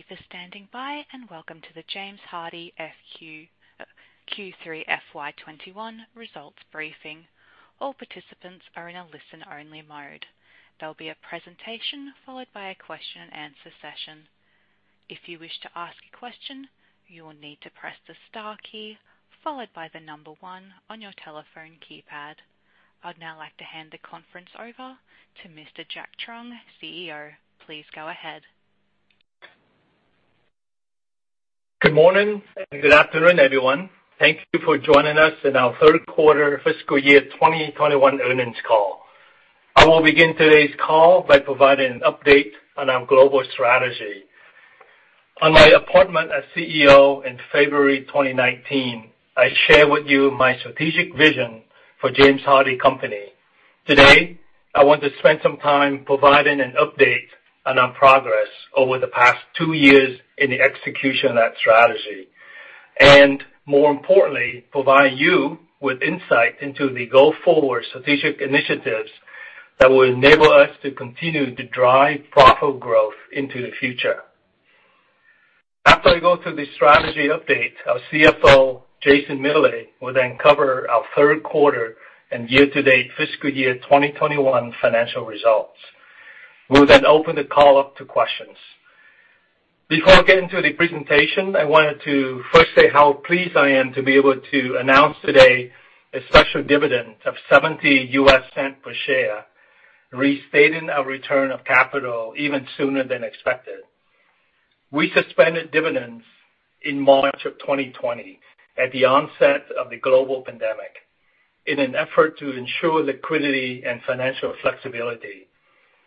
Thank you for standing by, and welcome to the James Hardie Q3 FY 2021 Results Briefing. All participants are in a listen-only mode. There'll be a presentation, followed by a question-and-answer session. If you wish to ask a question, you will need to press the star key, followed by the number one on your telephone keypad. I'd now like to hand the conference over to Mr. Jack Truong, CEO. Please go ahead. Good morning, and good afternoon, everyone. Thank you for joining us in our Third Quarter Fiscal Year 2021 Earnings Call. I will begin today's call by providing an update on our global strategy. On my appointment as CEO in February 2019, I shared with you my strategic vision for James Hardie. Today, I want to spend some time providing an update on our progress over the past two years in the execution of that strategy, and more importantly, provide you with insight into the go-forward strategic initiatives that will enable us to continue to drive profitable growth into the future. After I go through the strategy update, our CFO, Jason Miele, will then cover our third quarter and year-to-date fiscal year 2021 financial results. We'll then open the call up to questions. Before I get into the presentation, I wanted to first say how pleased I am to be able to announce today a special dividend of $0.70 per share, reinstating our return of capital even sooner than expected. We suspended dividends in March 2020, at the onset of the global pandemic, in an effort to ensure liquidity and financial flexibility.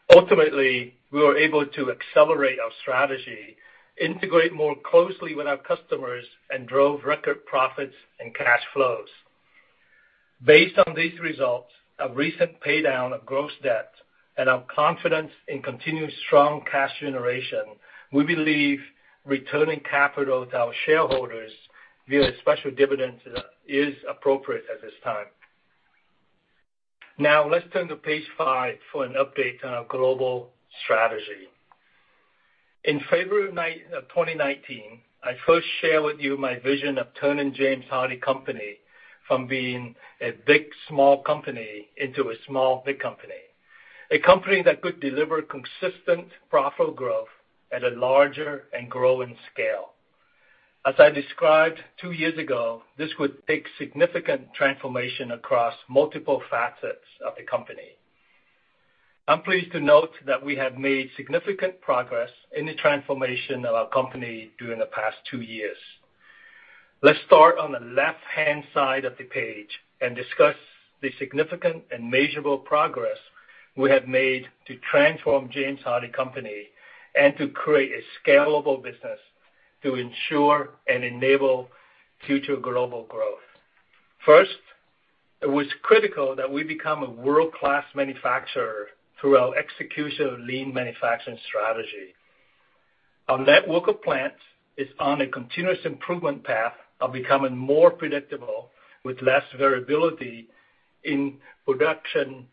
Ultimately, we were able to accelerate our strategy, integrate more closely with our customers, and drove record profits and cash flows. Based on these results, our recent paydown of gross debt, and our confidence in continued strong cash generation, we believe returning capital to our shareholders via special dividends is appropriate at this time. Now, let's turn to Page 5 for an update on our global strategy. In February 2019, I first shared with you my vision of turning James Hardie Company from being a big, small company into a small, big company. A company that could deliver consistent profitable growth at a larger and growing scale. As I described two years ago, this would take significant transformation across multiple facets of the company. I'm pleased to note that we have made significant progress in the transformation of our company during the past two years. Let's start on the left-hand side of the page and discuss the significant and measurable progress we have made to transform James Hardie Company and to create a scalable business to ensure and enable future global growth. First, it was critical that we become a world-class manufacturer through our execution of lean manufacturing strategy. Our network of plants is on a continuous improvement path of becoming more predictable, with less variability in production,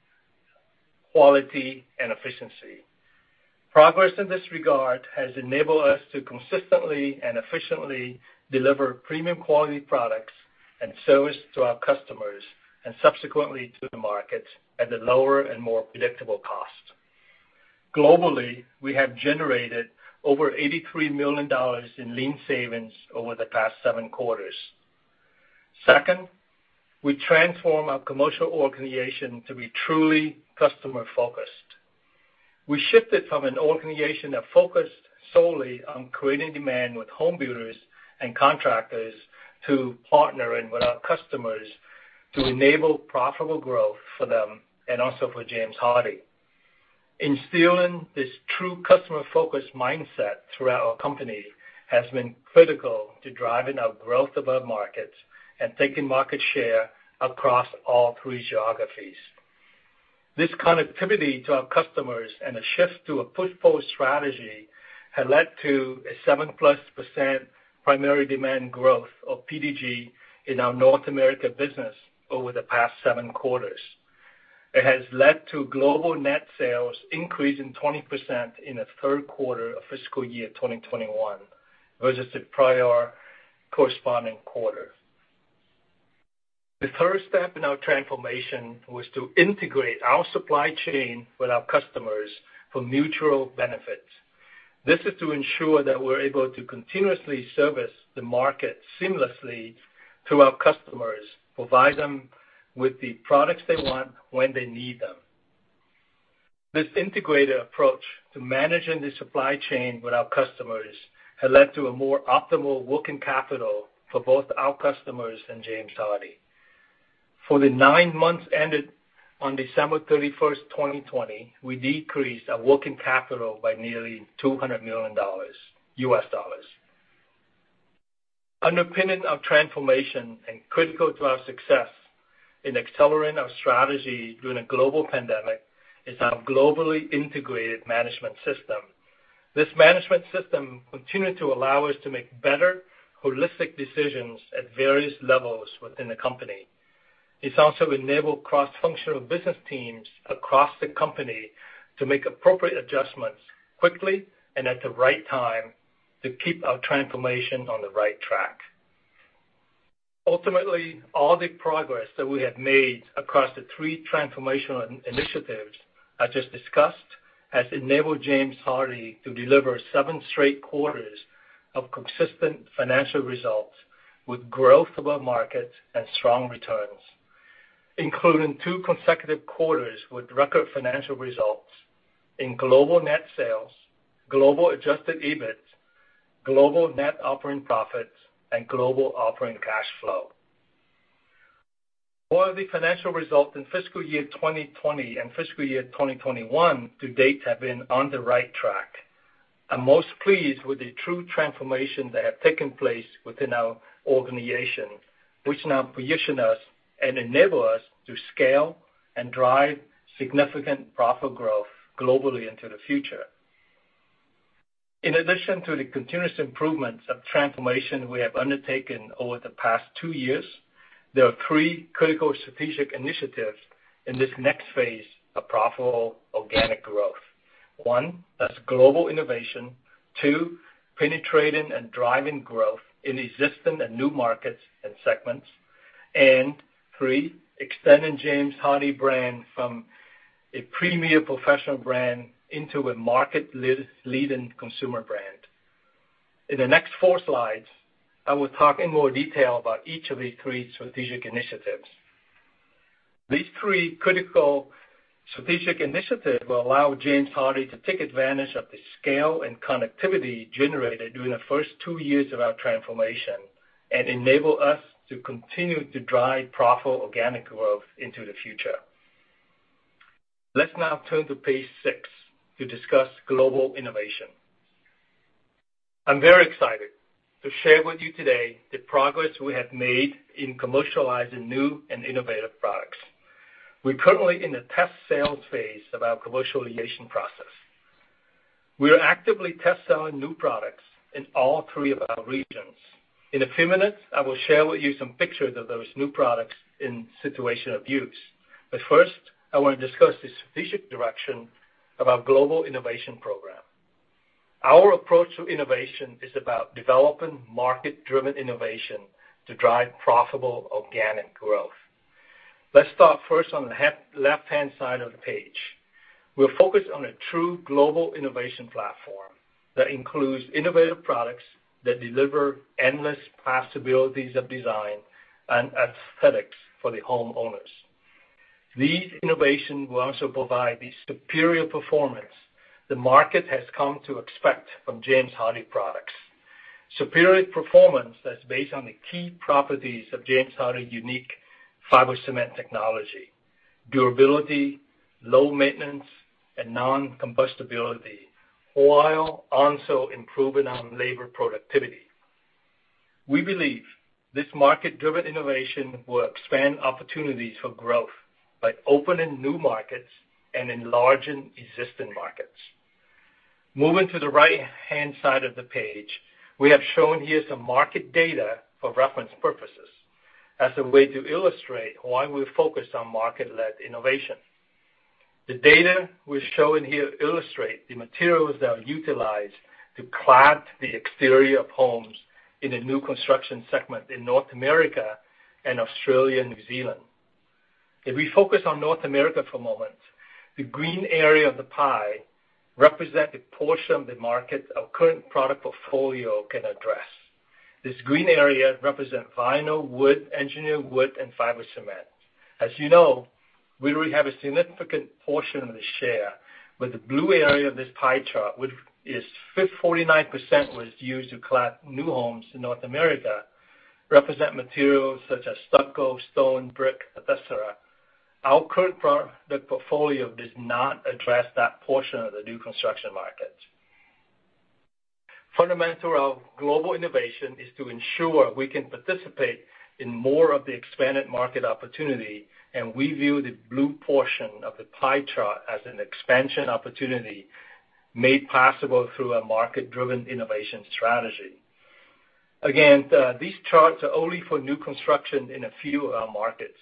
quality, and efficiency. Progress in this regard has enabled us to consistently and efficiently deliver premium quality products and service to our customers, and subsequently to the market, at a lower and more predictable cost. Globally, we have generated over $83 million in lean savings over the past seven quarters. Second, we transformed our commercial organization to be truly customer-focused. We shifted from an organization that focused solely on creating demand with home builders and contractors, to partnering with our customers to enable profitable growth for them and also for James Hardie. Instilling this true customer-focused mindset throughout our company has been critical to driving our growth of our markets and taking market share across all three geographies. This connectivity to our customers and a shift to a push-pull strategy has led to a seven-plus % primary demand growth, or PDG, in our North America business over the past seven quarters. It has led to global net sales increasing 20% in the third quarter of fiscal year 2021, versus the prior corresponding quarter. The third step in our transformation was to integrate our supply chain with our customers for mutual benefit. This is to ensure that we're able to continuously service the market seamlessly to our customers, provide them with the products they want when they need them. This integrated approach to managing the supply chain with our customers has led to a more optimal working capital for both our customers and James Hardie. For the nine months ended on December 31st, 2020, we decreased our working capital by nearly $200 million. Underpinning our transformation and critical to our success in accelerating our strategy during a global pandemic is our globally integrated management system. This management system continued to allow us to make better, holistic decisions at various levels within the company... It's also enabled cross-functional business teams across the company to make appropriate adjustments quickly and at the right time to keep our transformation on the right track. Ultimately, all the progress that we have made across the three transformational initiatives I just discussed, has enabled James Hardie to deliver seven straight quarters of consistent financial results, with growth above market and strong returns, including two consecutive quarters with record financial results in global net sales, global Adjusted EBIT, Global Net Operating Profit, and global operating cash flow. While the financial results in fiscal year 2020 and fiscal year 2021 to date have been on the right track, I'm most pleased with the true transformation that have taken place within our organization, which now position us and enable us to scale and drive significant profit growth globally into the future. In addition to the continuous improvements of transformation we have undertaken over the past two years, there are three critical strategic initiatives in this next phase of profitable organic growth. One, that's global innovation. Two, penetrating and driving growth in existing and new markets and segments. And three, extending James Hardie brand from a premier professional brand into a market-leading consumer brand. In the next four slides, I will talk in more detail about each of the three strategic initiatives. These three critical strategic initiatives will allow James Hardie to take advantage of the scale and connectivity generated during the first two years of our transformation and enable us to continue to drive profitable organic growth into the future. Let's now turn to Page 6 to discuss global innovation. I'm very excited to share with you today the progress we have made in commercializing new and innovative products. We're currently in the test sales phase of our commercialization process. We are actively test-selling new products in all three of our regions. In a few minutes, I will share with you some pictures of those new products in situation of use. But first, I want to discuss the strategic direction of our global innovation program. Our approach to innovation is about developing market-driven innovation to drive profitable organic growth. Let's start first on the left-hand side of the page. We're focused on a true global innovation platform that includes innovative products that deliver endless possibilities of design and aesthetics for the homeowners. These innovations will also provide the superior performance the market has come to expect from James Hardie products. Superior performance that's based on the key properties of James Hardie's unique fiber cement technology, durability, low maintenance, and non-combustibility, while also improving on labor productivity. We believe this market-driven innovation will expand opportunities for growth by opening new markets and enlarging existing markets. Moving to the right-hand side of the page, we have shown here some market data for reference purposes, as a way to illustrate why we're focused on market-led innovation. The data we're showing here illustrate the materials that are utilized to clad the exterior of homes in the new construction segment in North America and Australia, New Zealand. If we focus on North America for a moment, the green area of the pie represent the portion of the market our current product portfolio can address. This green area represent vinyl, wood, engineered wood, and fiber cement. As you know, we already have a significant portion of the share, but the blue area of this pie chart, which is 54.9%, was used to clad new homes in North America, represent materials such as stucco, stone, brick, et cetera. Our current product portfolio does not address that portion of the new construction market. Fundamental of global innovation is to ensure we can participate in more of the expanded market opportunity, and we view the blue portion of the pie chart as an expansion opportunity made possible through a market-driven innovation strategy. Again, these charts are only for new construction in a few of our markets.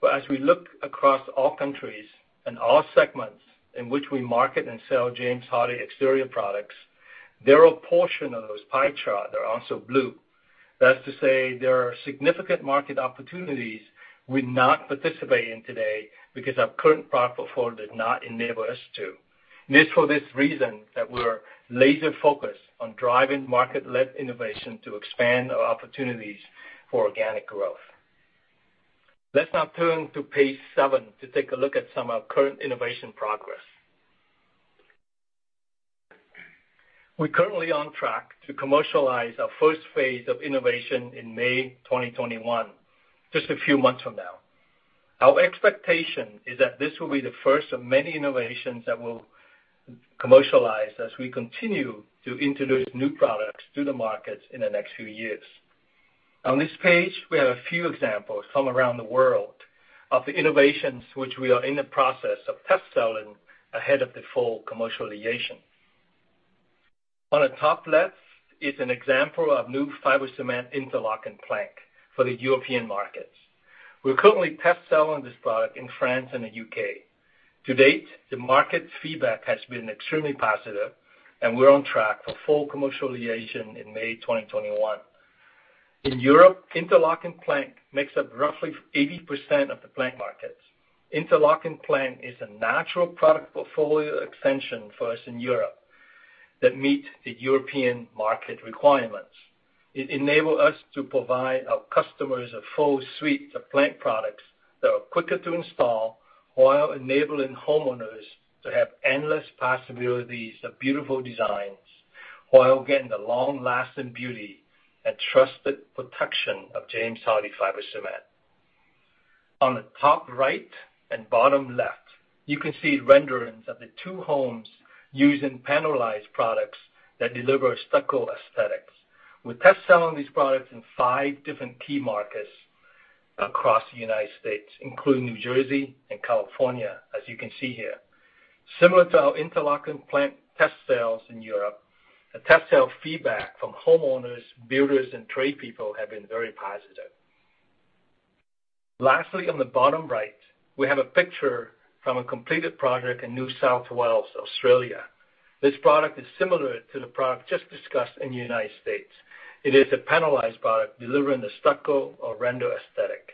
But as we look across all countries and all segments in which we market and sell James Hardie exterior products, there are a portion of those pie chart that are also blue. That's to say there are significant market opportunities we're not participating in today because our current product portfolio did not enable us to. And it's for this reason that we're laser focused on driving market-led innovation to expand our opportunities for organic growth. Let's now turn Page 7 to take a look at some of our current innovation progress. We're currently on track to commercialize our first phase of innovation in May 2021, just a few months from now. Our expectation is that this will be the first of many innovations that will commercialize as we continue to introduce new products to the market in the next few years. On this page, we have a few examples from around the world of the innovations which we are in the process of test-selling ahead of the full commercialization. On the top left is an example of new fiber cement interlocking plank for the European markets. We're currently test selling this product in France and the U.K. To date, the market feedback has been extremely positive, and we're on track for full commercialization in May 2021. In Europe, interlocking plank makes up roughly 80% of the plank markets. Interlocking plank is a natural product portfolio extension for us in Europe that meet the European market requirements. It enable us to provide our customers a full suite of plank products that are quicker to install, while enabling homeowners to have endless possibilities of beautiful designs, while getting the long-lasting beauty and trusted protection of James Hardie fiber cement. On the top right and bottom left, you can see renderings of the two homes using panelized products that deliver stucco aesthetics. We're test selling these products in five different key markets across the United States, including New Jersey and California, as you can see here. Similar to our interlocking plank test sales in Europe, the test sale feedback from homeowners, builders, and trade people have been very positive. Lastly, on the bottom right, we have a picture from a completed project in New South Wales, Australia. This product is similar to the product just discussed in the United States. It is a panelized product delivering the stucco or render aesthetic.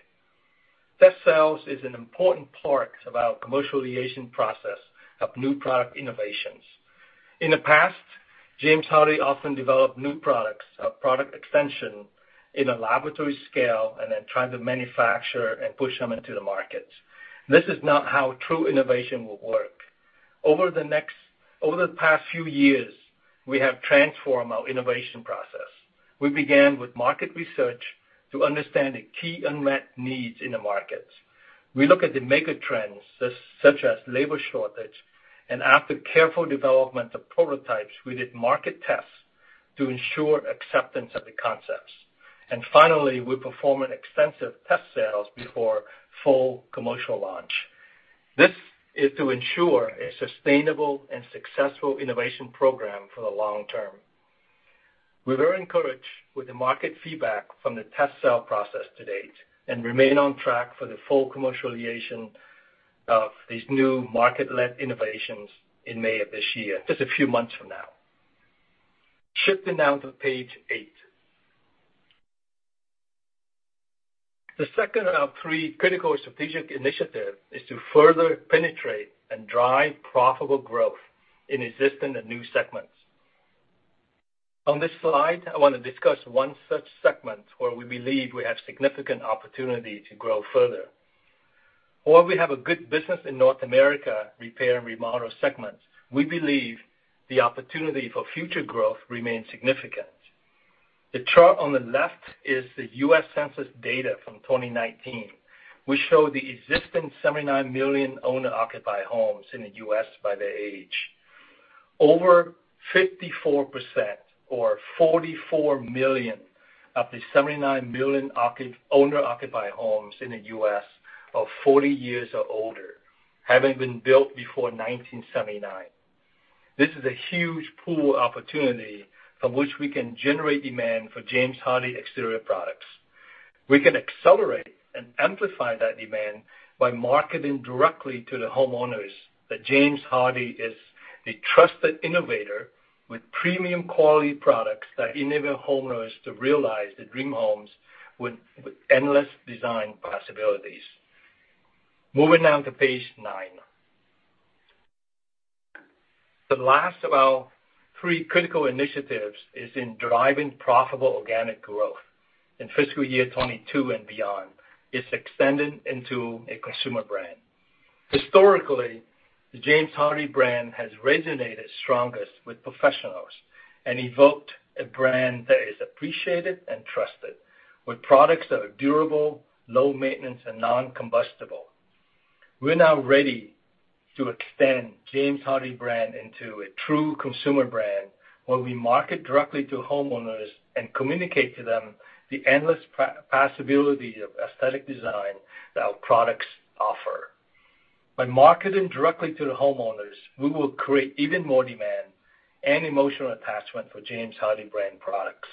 Test sales is an important part of our commercialization process of new product innovations. In the past, James Hardie often developed new products or product extension in a laboratory scale and then tried to manufacture and push them into the market. This is not how true innovation will work. Over the past few years, we have transformed our innovation process. We began with market research to understand the key unmet needs in the market. We look at the mega trends, such as labor shortage, and after careful development of prototypes, we did market tests to ensure acceptance of the concepts. And finally, we perform an extensive test sales before full commercial launch. This is to ensure a sustainable and successful innovation program for the long term. We're very encouraged with the market feedback from the test sale process to date, and remain on track for the full commercialization of these new market-led innovations in May of this year, just a few months from now. Shifting now to Page 8. The second of our three critical strategic initiative is to further penetrate and drive profitable growth in existing and new segments. On this slide, I wanna discuss one such segment where we believe we have significant opportunity to grow further. While we have a good business in North America, Repair and Remodel segments, we believe the opportunity for future growth remains significant. The chart on the left is the U.S. census data from 2019, which show the existing 79 million owner-occupied homes in the U.S. by their age. Over 54% or 44 million of the 79 million owner-occupied homes in the U.S. are 40 years or older, having been built before 1979. This is a huge pool of opportunity from which we can generate demand for James Hardie exterior products. We can accelerate and amplify that demand by marketing directly to the homeowners, that James Hardie is a trusted innovator with premium quality products that enable homeowners to realize their dream homes with endless design possibilities. Moving down to Page 9. The last of our three critical initiatives is in driving profitable organic growth in fiscal year 2022 and beyond. It's extending into a consumer brand. Historically, the James Hardie brand has resonated strongest with professionals, and evoked a brand that is appreciated and trusted, with products that are durable, low maintenance, and non-combustible. We're now ready to extend James Hardie brand into a true consumer brand, where we market directly to homeowners and communicate to them the endless possibility of aesthetic design that our products offer. By marketing directly to the homeowners, we will create even more demand and emotional attachment for James Hardie brand products.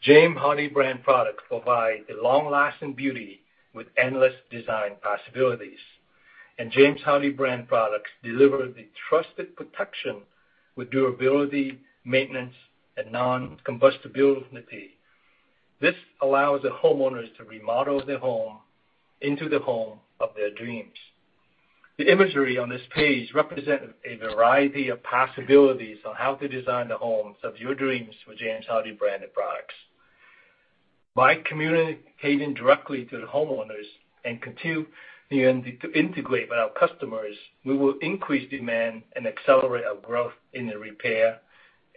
James Hardie brand products provide a long-lasting beauty with endless design possibilities, and James Hardie brand products deliver the trusted protection with durability, maintenance, and non-combustibility. This allows the homeowners to remodel their home into the home of their dreams. The imagery on this page represent a variety of possibilities on how to design the homes of your dreams with James Hardie branded products. By communicating directly to the homeowners and continuing to integrate with our customers, we will increase demand and accelerate our growth in the repair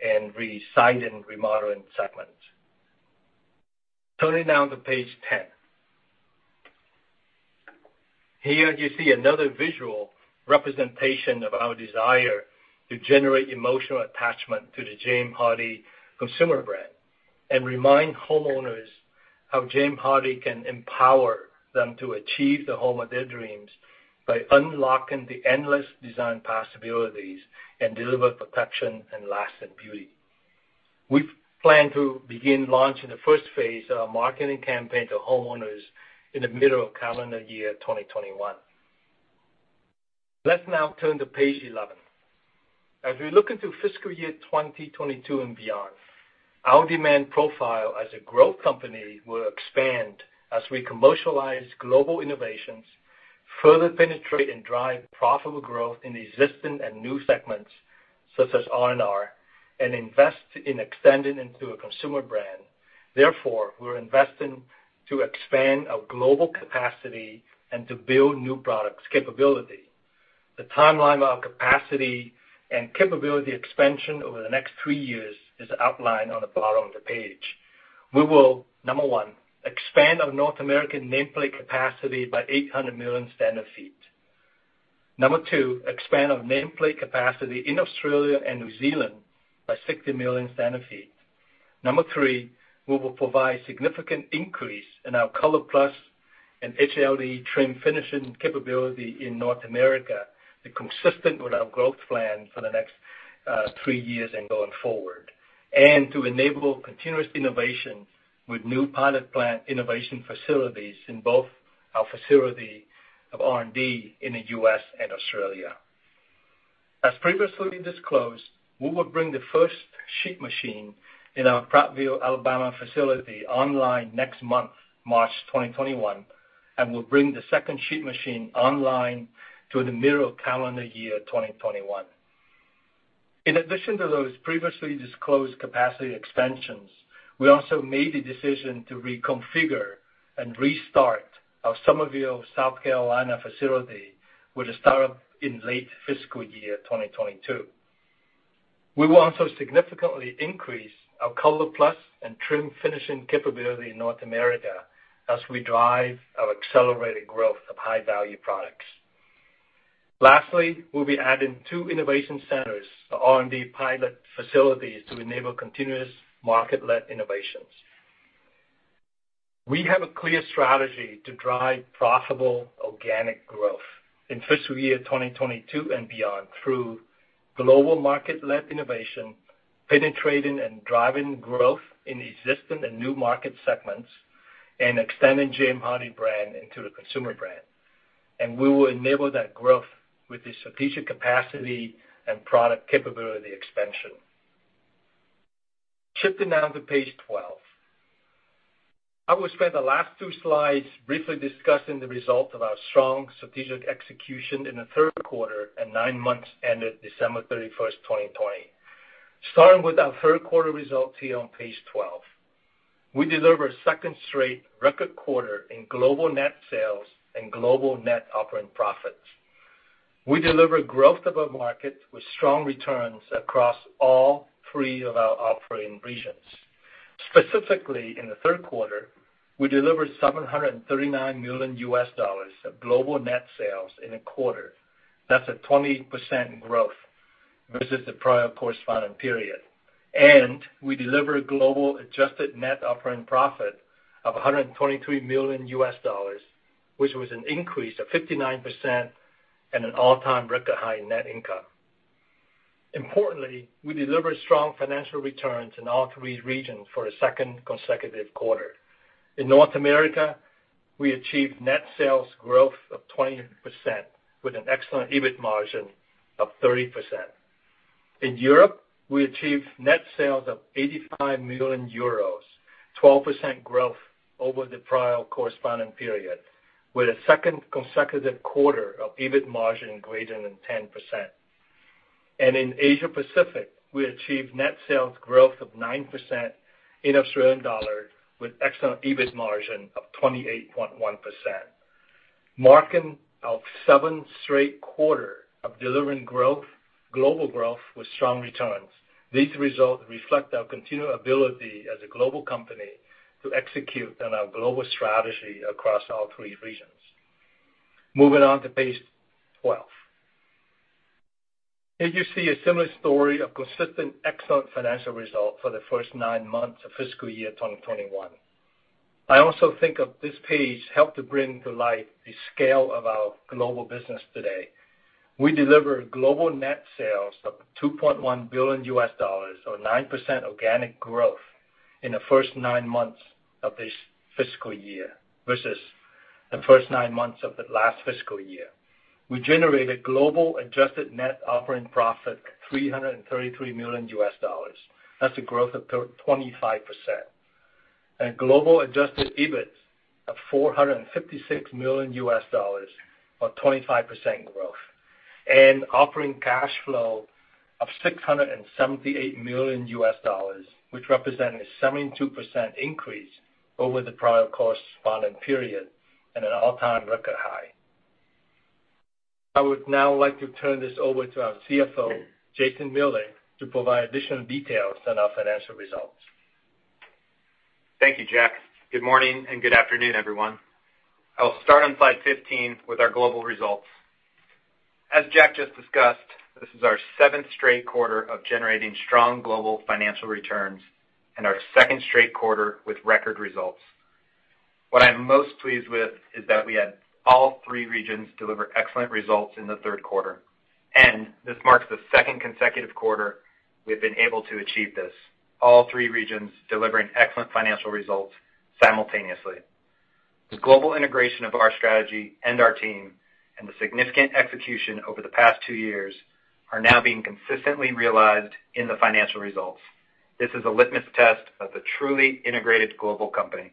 and siding, remodeling segments. Turning now to Page 10. Here you see another visual representation of our desire to generate emotional attachment to the James Hardie consumer brand... and remind homeowners how James Hardie can empower them to achieve the home of their dreams by unlocking the endless design possibilities and deliver protection and lasting beauty. We plan to begin launching the first phase of our marketing campaign to homeowners in the middle of calendar year 2021. Let's now turn Page 11. As we look into fiscal year 2022 and beyond, our demand profile as a growth company will expand as we commercialize global innovations, further penetrate and drive profitable growth in existing and new segments, such as R&R, and invest in extending into a consumer brand. Therefore, we're investing to expand our global capacity and to build new products capability. The timeline of our capacity and capability expansion over the next three years is outlined on the bottom of the page. We will, number one, expand our North American nameplate capacity by 800 million sqft. Number two, expand our nameplate capacity in Australia and New Zealand by 60 million sqft. Number three, we will provide significant increase in our ColorPlus and HLD trim finishing capability in North America, be consistent with our growth plan for the next, three years and going forward, and to enable continuous innovation with new pilot plant innovation facilities in both our facility of R&D in the U.S. and Australia. As previously disclosed, we will bring the first sheet machine in our Prattville, Alabama, facility online next month, March 2021, and we'll bring the second sheet machine online through the middle of calendar year 2021. In addition to those previously disclosed capacity expansions, we also made the decision to reconfigure and restart our Summerville, South Carolina, facility, with a startup in late fiscal year 2022. We will also significantly increase our ColorPlus and trim finishing capability in North America as we drive our accelerated growth of high-value products. Lastly, we'll be adding two innovation centers, the R&D pilot facilities, to enable continuous market-led innovations. We have a clear strategy to drive profitable organic growth in fiscal year 2022 and beyond through global market-led innovation, penetrating and driving growth in existing and new market segments, and extending James Hardie brand into a consumer brand, and we will enable that growth with the strategic capacity and product capability expansion. Shifting now to Page 12. I will spend the last two slides briefly discussing the result of our strong strategic execution in the third quarter and nine months ended December 31, 2020. Starting with our third quarter results here on Page 12. We delivered a second straight record quarter in global net sales and Global Net Operating Profit. We delivered growth above market with strong returns across all three of our operating regions. Specifically, in the third quarter, we delivered $739 million of global net sales in a quarter. That's a 20% growth versus the prior corresponding period. And we delivered global adjusted net operating profit of $123 million, which was an increase of 59% and an all-time record high net income. Importantly, we delivered strong financial returns in all three regions for a second consecutive quarter. In North America, we achieved net sales growth of 20% with an excellent EBIT margin of 30%. In Europe, we achieved net sales of 85 million euros, 12% growth over the prior corresponding period, with a second consecutive quarter of EBIT margin greater than 10%. and in Asia Pacific, we achieved net sales growth of 9% in AUD, with excellent EBIT margin of 28.1%, marking our seventh straight quarter of delivering growth, global growth, with strong returns. These results reflect our continued ability as a global company to execute on our global strategy across all three regions. Moving on to Page 12. Here you see a similar story of consistent excellent financial results for the first nine months of fiscal year 2021. I also think this page helps to bring to light the scale of our global business today. We delivered global net sales of $2.1 billion, or 9% organic growth, in the first nine months of this fiscal year versus the first nine months of the last fiscal year. We generated global adjusted net operating profit, $333 million. That's a growth of 25%, and global Adjusted EBIT of $456 million, or 25% growth, and operating cash flow of $678 million, which represent a 72% increase over the prior corresponding period, and an all-time record high. I would now like to turn this over to our CFO, Jason Miele, to provide additional details on our financial results. Thank you, Jack. Good morning and good afternoon, everyone. I'll start on Slide 15 with our global results. As Jack just discussed, this is our seventh straight quarter of generating strong global financial returns and our second straight quarter with record results. What I'm most pleased with is that we had all three regions deliver excellent results in the third quarter, and this marks the second consecutive quarter we've been able to achieve this, all three regions delivering excellent financial results simultaneously. The global integration of our strategy and our team, and the significant execution over the past two years, are now being consistently realized in the financial results. This is a litmus test of a truly integrated global company.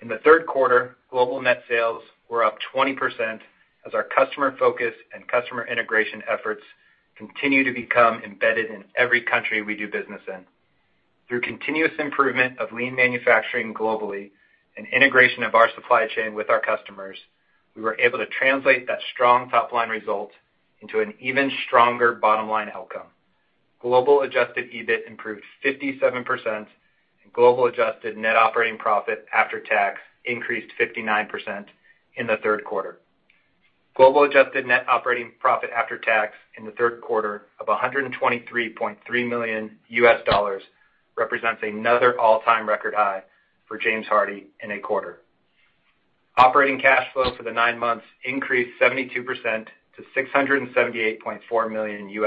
In the third quarter, global net sales were up 20%, as our customer focus and customer integration efforts continue to become embedded in every country we do business in. Through continuous improvement of lean manufacturing globally and integration of our supply chain with our customers, we were able to translate that strong top-line result into an even stronger bottom-line outcome. Global Adjusted EBIT improved 57%, and global adjusted net operating profit after tax increased 59% in the third quarter. Global adjusted net operating profit after tax in the third quarter of $123.3 million represents another all-time record high for James Hardie in a quarter. Operating cash flow for the nine months increased 72% to $678.4 million.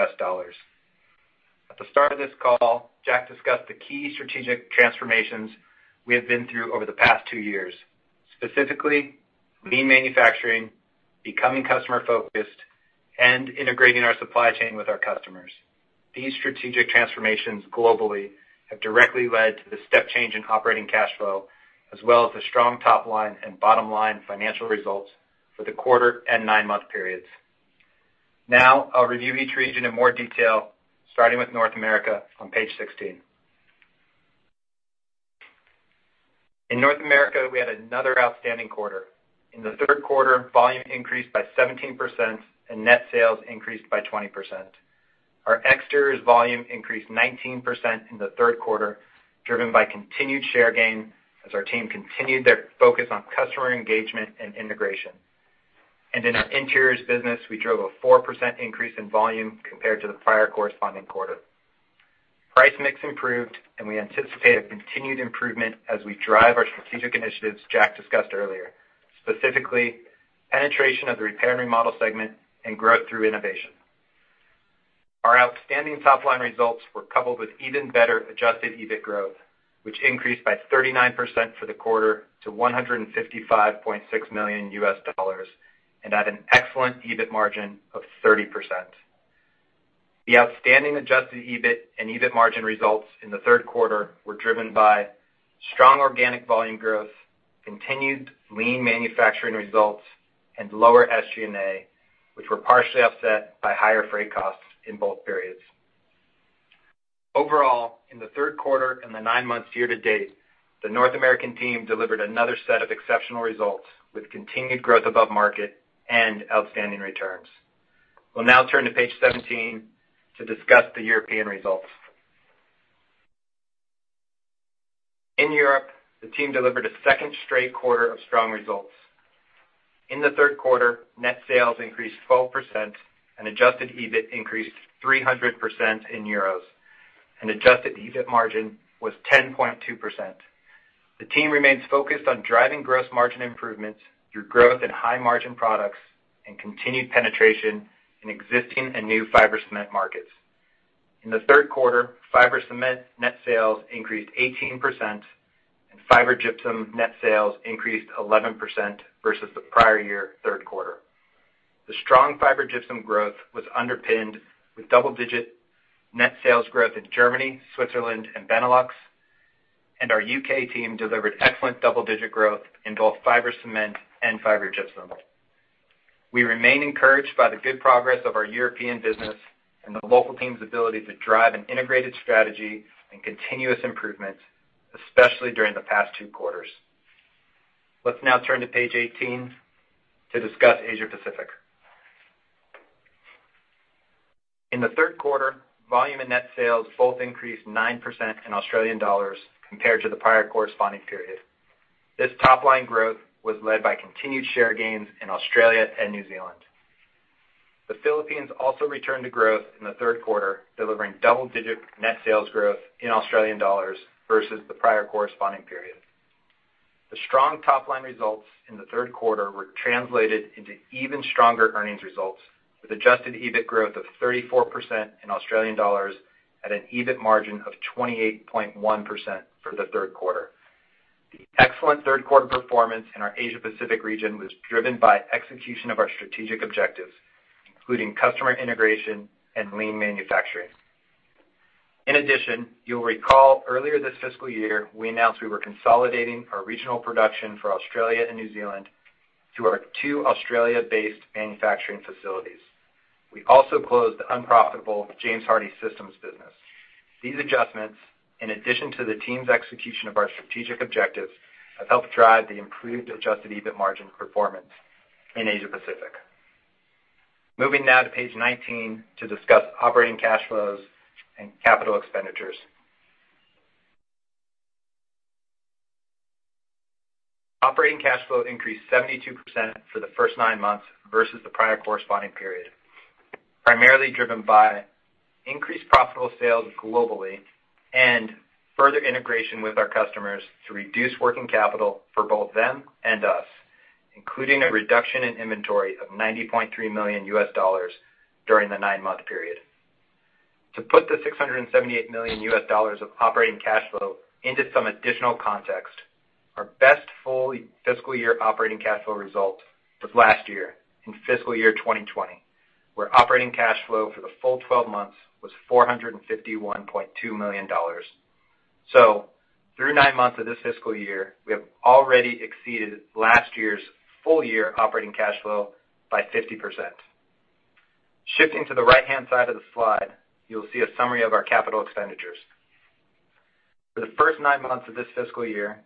At the start of this call, Jack discussed the key strategic transformations we have been through over the past two years. Specifically, lean manufacturing, becoming customer-focused, and integrating our supply chain with our customers. These strategic transformations globally have directly led to the step change in operating cash flow, as well as the strong top-line and bottom-line financial results for the quarter and nine-month periods. Now, I'll review each region in more detail, starting with North America on Page 16. In North America, we had another outstanding quarter. In the third quarter, volume increased by 17%, and net sales increased by 20%. Our Exteriors volume increased 19% in the third quarter, driven by continued share gain as our team continued their focus on customer engagement and integration, and in our Interiors business, we drove a 4% increase in volume compared to the prior corresponding quarter. Price mix improved, and we anticipate a continued improvement as we drive our strategic initiatives Jack discussed earlier, specifically, penetration of the Repair and Remodel segment and growth through innovation. Our outstanding top-line results were coupled with even better Adjusted EBIT growth, which increased by 39% for the quarter to $155.6 million, and at an excellent EBIT margin of 30%. The outstanding Adjusted EBIT and EBIT margin results in the third quarter were driven by strong organic volume growth, continued lean manufacturing results, and lower SG&A, which were partially offset by higher freight costs in both periods. Overall, in the third quarter and the nine months year to date, the North American team delivered another set of exceptional results, with continued growth above market and outstanding returns. We'll now turn to Page 17 to discuss the European results. In Europe, the team delivered a second straight quarter of strong results. In the third quarter, net sales increased 12%, and Adjusted EBIT increased 300% in euros, and Adjusted EBIT margin was 10.2%. The team remains focused on driving gross margin improvements through growth in high-margin products and continued penetration in existing and new fiber cement markets. In the third quarter, fiber cement net sales increased 18%, and fiber gypsum net sales increased 11% versus the prior year third quarter. The strong fiber gypsum growth was underpinned with double-digit net sales growth in Germany, Switzerland, and Benelux, and our U.K. team delivered excellent double-digit growth in both fiber cement and fiber gypsum. We remain encouraged by the good progress of our European business and the local team's ability to drive an integrated strategy and continuous improvement, especially during the past two quarters. Let's now turn to Page 18 to discuss Asia Pacific. In the third quarter, volume and net sales both increased 9% in Australian dollars compared to the prior corresponding period. This top-line growth was led by continued share gains in Australia and New Zealand. The Philippines also returned to growth in the third quarter, delivering double-digit net sales growth in Australian dollars versus the prior corresponding period. The strong top-line results in the third quarter were translated into even stronger earnings results, with Adjusted EBIT growth of 34% in Australian dollars at an EBIT margin of 28.1% for the third quarter. The excellent third quarter performance in our Asia Pacific region was driven by execution of our strategic objectives, including customer integration and lean manufacturing. In addition, you'll recall earlier this fiscal year, we announced we were consolidating our regional production for Australia and New Zealand to our two Australia-based manufacturing facilities. We also closed the unprofitable James Hardie Systems business. These adjustments, in addition to the team's execution of our strategic objectives, have helped drive the improved Adjusted EBIT margin performance in Asia Pacific. Moving now to Page 19 to discuss operating cash flows and capital expenditures. Operating cash flow increased 72% for the first nine months versus the prior corresponding period, primarily driven by increased profitable sales globally and further integration with our customers to reduce working capital for both them and us, including a reduction in inventory of $90.3 million during the nine-month period. To put the $678 million of operating cash flow into some additional context, our best full fiscal year operating cash flow result was last year, in fiscal year 2020, where operating cash flow for the full twelve months was $451.2 million. So through nine months of this fiscal year, we have already exceeded last year's full year operating cash flow by 50%. Shifting to the right-hand side of the slide, you'll see a summary of our capital expenditures. For the first nine months of this fiscal year,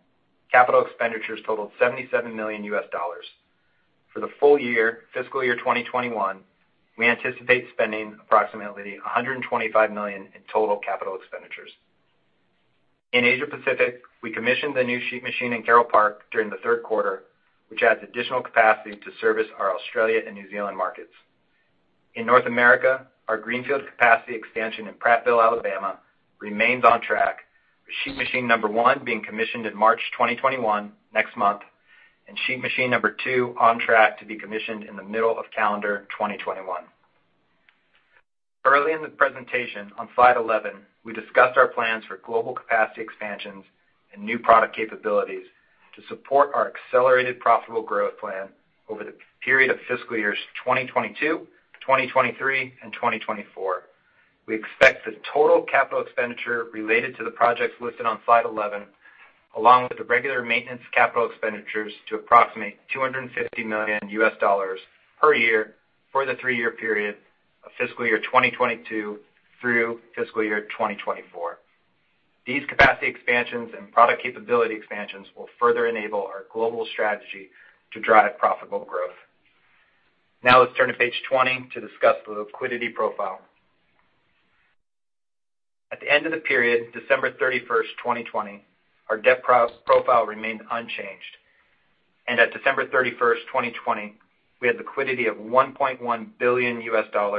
capital expenditures totaled $77 million. For the full year, fiscal year 2021, we anticipate spending approximately $125 million in total capital expenditures. In Asia Pacific, we commissioned the new sheet machine in Carroll Park during the third quarter, which adds additional capacity to service our Australia and New Zealand markets. In North America, our greenfield capacity expansion in Prattville, Alabama, remains on track, with sheet machine number one being commissioned in March 2021, next month, and sheet machine number two on track to be commissioned in the middle of calendar 2021. Early in the presentation, on Slide 11, we discussed our plans for global capacity expansions and new product capabilities to support our accelerated profitable growth plan over the period of fiscal years 2022, 2023, and 2024. We expect the total capital expenditure related to the projects listed on Slide 11, along with the regular maintenance capital expenditures, to approximate $250 million per year for the three-year period of fiscal year 2022 through fiscal year 2024. These capacity expansions and product capability expansions will further enable our global strategy to drive profitable growth. Now, let's turn to Page 20 to discuss the liquidity profile. At the end of the period, December 31, 2020, our debt profile remained unchanged, and at December 31st, 2020, we had liquidity of $1.1 billion and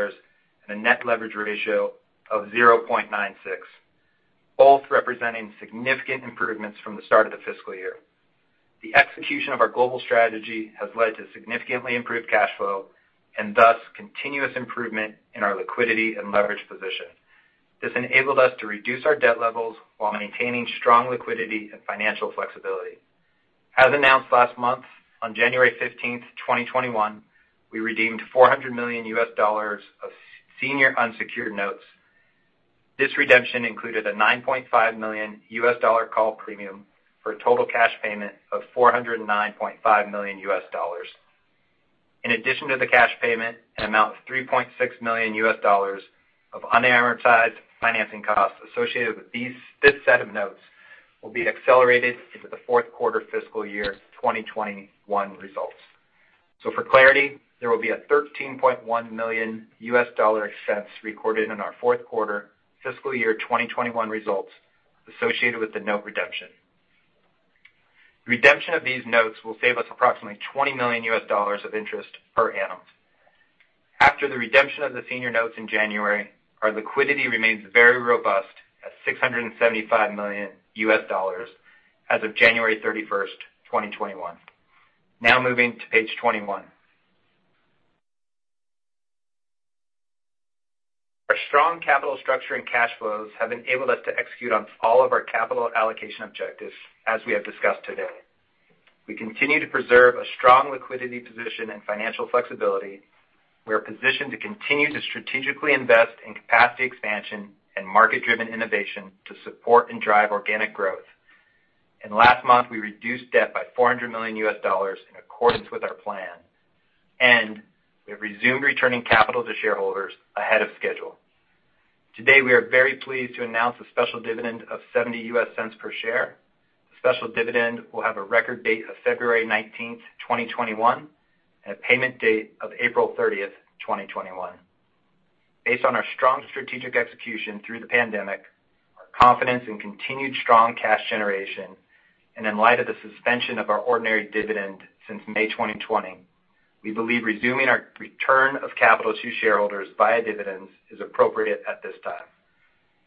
a net leverage ratio of 0.96, both representing significant improvements from the start of the fiscal year. The execution of our global strategy has led to significantly improved cash flow and thus continuous improvement in our liquidity and leverage position. This enabled us to reduce our debt levels while maintaining strong liquidity and financial flexibility. As announced last month, on January fifteenth, 2021, we redeemed $400 million of senior unsecured notes. This redemption included a $9.5 million call premium for a total cash payment of $409.5 million. In addition to the cash payment, an amount of $3.6 million of unamortized financing costs associated with this set of notes will be accelerated into the fourth quarter fiscal year 2021 results. So for clarity, there will be a $13.1 million expense recorded in our fourth quarter fiscal year 2021 results associated with the note redemption. Redemption of these notes will save us approximately $20 million of interest per annum. After the redemption of the senior notes in January, our liquidity remains very robust at $675 million as of January 31st, 2021. Now moving to Page 21. Our strong capital structure and cash flows have enabled us to execute on all of our capital allocation objectives, as we have discussed today. We continue to preserve a strong liquidity position and financial flexibility. We are positioned to continue to strategically invest in capacity expansion and market-driven innovation to support and drive organic growth, and last month, we reduced debt by $400 million in accordance with our plan, and we have resumed returning capital to shareholders ahead of schedule. Today, we are very pleased to announce a special dividend of $0.70 per share. The special dividend will have a record date of February 19th, 2021, and a payment date of April 30th, 2021. Based on our strong strategic execution through the pandemic, our confidence in continued strong cash generation, and in light of the suspension of our ordinary dividend since May 2020, we believe resuming our return of capital to shareholders via dividends is appropriate at this time.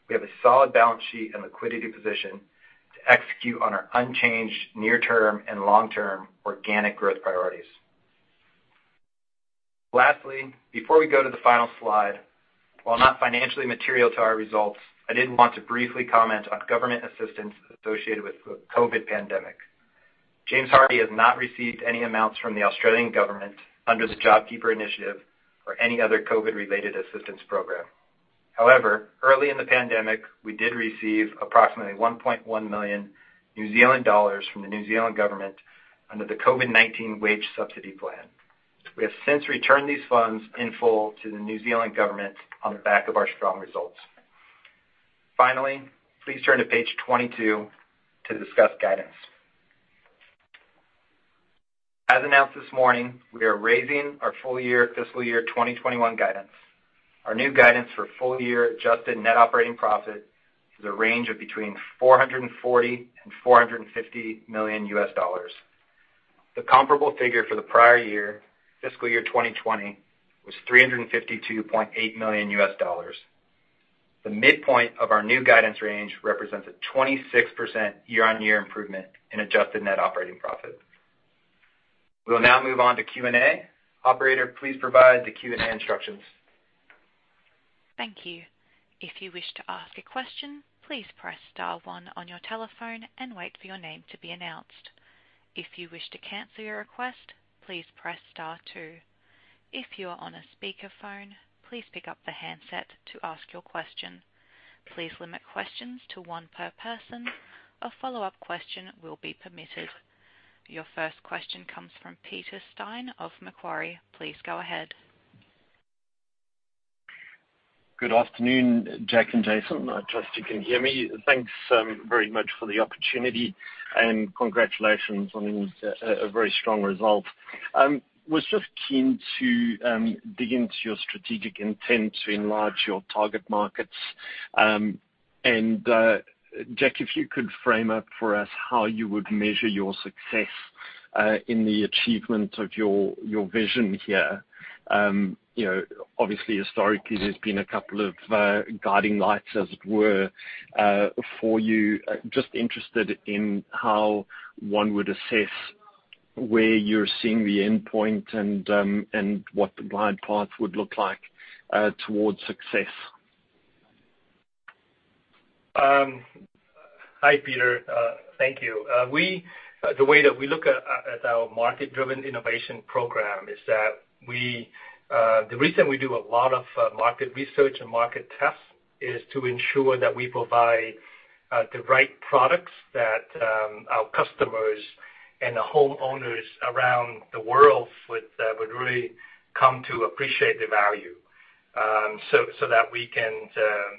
We have a solid balance sheet and liquidity position to execute on our unchanged near-term and long-term organic growth priorities. Lastly, before we go to the final slide, while not financially material to our results, I did want to briefly comment on government assistance associated with the COVID pandemic. James Hardie has not received any amounts from the Australian government under the JobKeeper initiative or any other COVID-related assistance program. However, early in the pandemic, we did receive approximately 1.1 million New Zealand dollars from the New Zealand government under the COVID-19 Wage Subsidy Scheme. We have since returned these funds in full to the New Zealand government on the back of our strong results. Finally, please turn to Page 22 to discuss guidance. As announced this morning, we are raising our full year fiscal year 2021 guidance. Our new guidance for full year adjusted net operating profit is a range of between $440 million and $450 million. The comparable figure for the prior year, fiscal year 2020, was $352.8 million. The midpoint of our new guidance range represents a 26% year-on-year improvement in adjusted net operating profit. We'll now move on to Q&A. Operator, please provide the Q&A instructions. Thank you. If you wish to ask a question, please press star one on your telephone and wait for your name to be announced. If you wish to cancel your request, please press star two. If you are on a speakerphone, please pick up the handset to ask your question. Please limit questions to one per person. A follow-up question will be permitted. Your first question comes from Peter Steyn of Macquarie. Please go ahead. Good afternoon, Jack and Jason. I trust you can hear me. Thanks, very much for the opportunity, and congratulations on a very strong result. Was just keen to dig into your strategic intent to enlarge your target markets. And, Jack, if you could frame up for us how you would measure your success in the achievement of your vision here. You know, obviously, historically, there's been a couple of guiding lights, as it were, for you. Just interested in how one would assess where you're seeing the endpoint and what the glide path would look like towards success. Hi, Peter, thank you. The way that we look at our market-driven innovation program is that the reason we do a lot of market research and market tests is to ensure that we provide the right products that our customers and the homeowners around the world would really come to appreciate the value, so that we can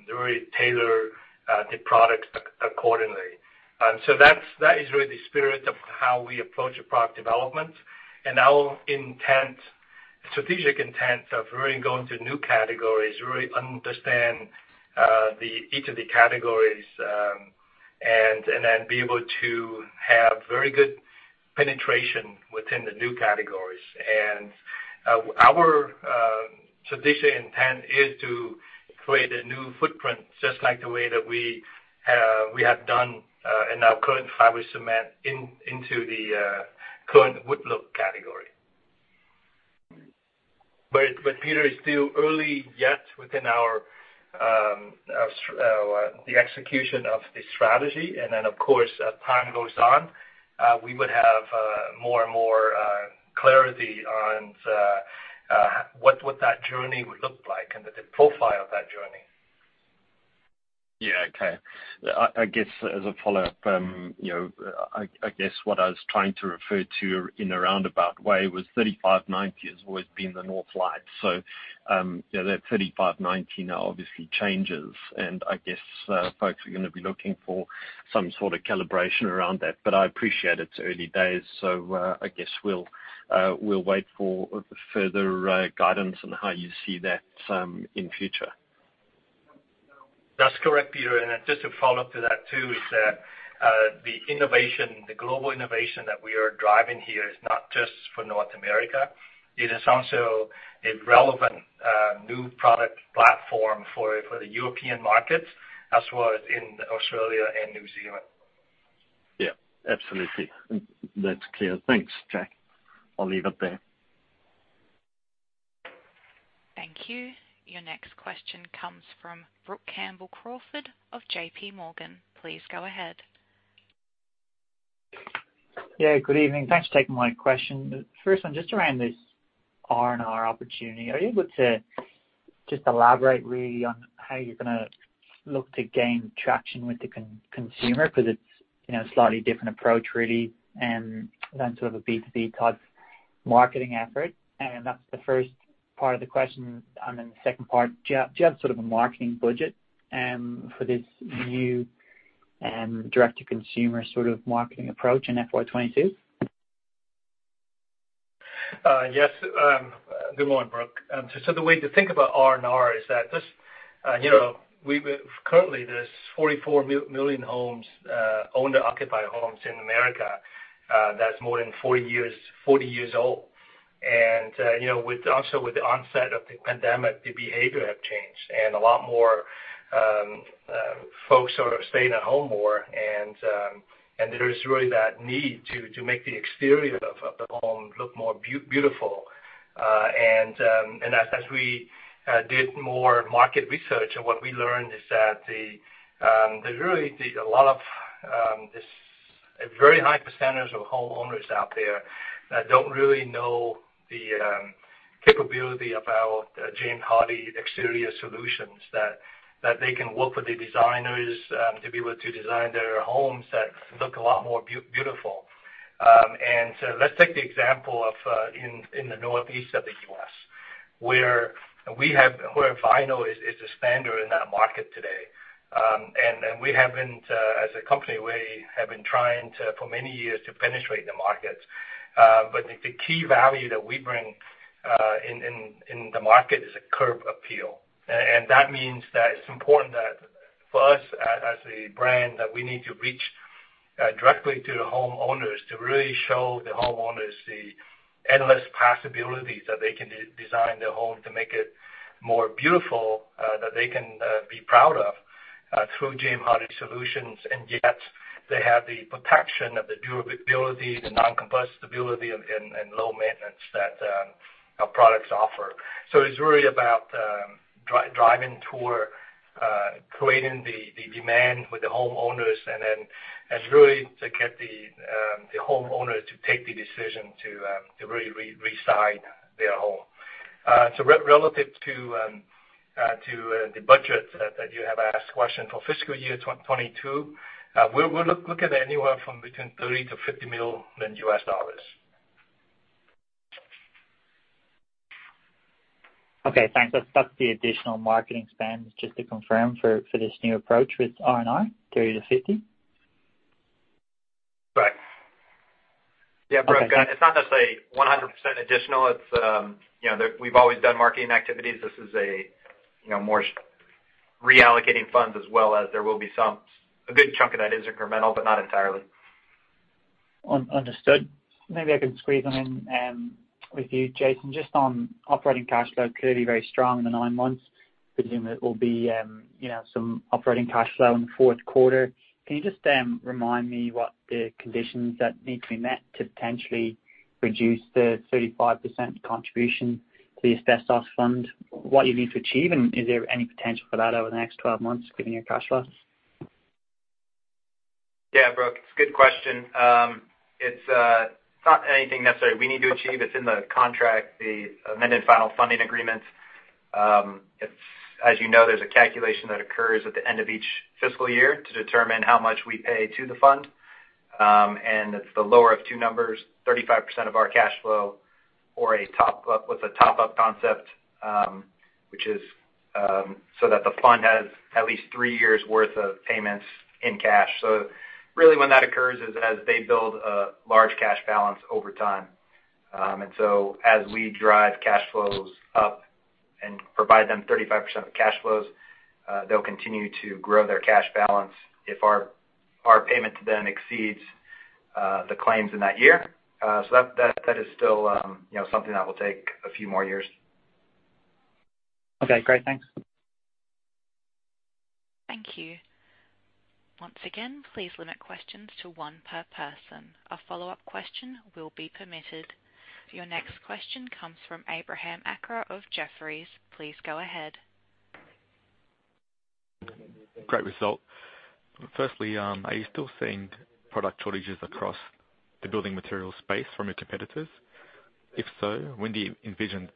really tailor the product accordingly. And so that is really the spirit of how we approach product development. And our strategic intent of really going to new categories, really understand each of the categories, and then be able to have very good penetration within the new categories. Our strategic intent is to create a new footprint, just like the way that we have done in our current fiber cement into the current wood-look category. Peter, it's still early yet within our the execution of the strategy, and then, of course, as time goes on, we would have more and more clarity on what that journey would look like and the profile of that journey. Yeah. Okay. I guess, as a follow-up, you know, I guess what I was trying to refer to in a roundabout way was 35/90 has always been the north light. So, yeah, that 35/90 obviously changes, and I guess, folks are gonna be looking for some sort of calibration around that. But I appreciate it's early days, so, I guess we'll wait for further guidance on how you see that, in future. That's correct, Peter, and just to follow up to that, too, is that the innovation, the global innovation that we are driving here is not just for North America. It is also a relevant new product platform for the European markets, as well as in Australia and New Zealand. Yeah, absolutely. That's clear. Thanks, Jack. I'll leave it there. Thank you. Your next question comes from Brook Campbell-Crawford of J.P. Morgan. Please go ahead. Yeah, good evening. Thanks for taking my question. First one, just around this R&R opportunity, are you able to just elaborate really on how you're gonna look to gain traction with the consumer? Because it's, you know, a slightly different approach really, and than sort of a B2B type marketing effort. And that's the first part of the question. And then the second part, do you have sort of a marketing budget for this new direct to consumer sort of marketing approach in FY 2022? Yes. Good morning, Brook. So the way to think about R&R is that this, you know, currently there's 44 million homes, owner-occupied homes in America, that's more than 40 years old, and you know, with the onset of the pandemic, the behavior have changed, and a lot more folks are staying at home more, and there is really that need to make the exterior of the home look more beautiful. And as we did more market research, and what we learned is that there really is a lot of this - a very high percentage of homeowners out there that don't really know the capability of our James Hardie exterior solutions, that they can work with the designers to be able to design their homes that look a lot more beautiful. And so let's take the example of in the Northeast of the U.S., where vinyl is the standard in that market today. And we have been to, as a company, we have been trying to, for many years, to penetrate the market. But the key value that we bring in the market is a curb appeal. And that means that it's important that for us, as a brand, that we need to reach directly to the homeowners to really show the homeowners the endless possibilities that they can design their home to make it more beautiful, that they can be proud of through James Hardie Solutions. And yet they have the protection of the durability, the non-combustibility, and low maintenance that our products offer. So it's really about driving and creating the demand with the homeowners and then really to get the homeowner to take the decision to really re-side their home. So relative to the budget that you have asked question for fiscal year 2022, we'll look at anywhere from between $30 million-$50 million. Okay, thanks. So that's the additional marketing spend, just to confirm, for this new approach with R&R, 30-50? Right. Yeah, Brooke, it's not necessarily 100% additional. It's, you know, we've always done marketing activities. This is, you know, more reallocating funds as well as there will be some. A good chunk of that is incremental, but not entirely. Understood. Maybe I can squeeze them in with you, Jason. Just on operating cash flow could be very strong in the nine months. I presume it will be, you know, some operating cash flow in the fourth quarter. Can you just remind me what the conditions that need to be met to potentially reduce the 35% contribution to the asbestos fund? What you need to achieve, and is there any potential for that over the next twelve months, given your cash flows? Yeah, Brooke, it's a good question. It's not anything necessarily we need to achieve. It's in the contract, the amended final funding agreement. It's, as you know, there's a calculation that occurs at the end of each fiscal year to determine how much we pay to the fund. And it's the lower of two numbers, 35% of our cash flow or a top-up, with a top-up concept, which is, so that the fund has at least three years' worth of payments in cash. So really, when that occurs is as they build a large cash balance over time. And so as we drive cash flows up and provide them 35% of the cash flows, they'll continue to grow their cash balance if our payment to them exceeds the claims in that year. That is still, you know, something that will take a few more years. Okay, great. Thanks. Thank you. Once again, please limit questions to one per person. A follow-up question will be permitted. Your next question comes from Abraham Akra of Jefferies. Please go ahead. Great result. Firstly, are you still seeing product shortages across the building material space from your competitors? If so, when do you envision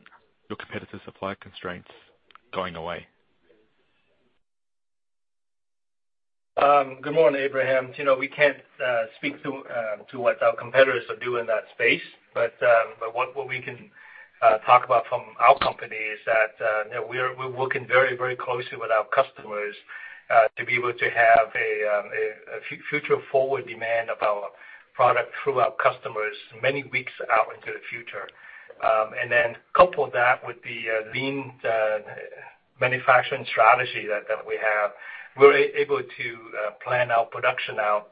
your competitors' supply constraints going away? Good morning, Abraham. You know, we can't speak to what our competitors are doing in that space. But what we can talk about from our company is that, you know, we are, we're working very, very closely with our customers to be able to have a future forward demand of our product through our customers many weeks out into the future. And then couple that with the lean manufacturing strategy that we have, we're able to plan our production out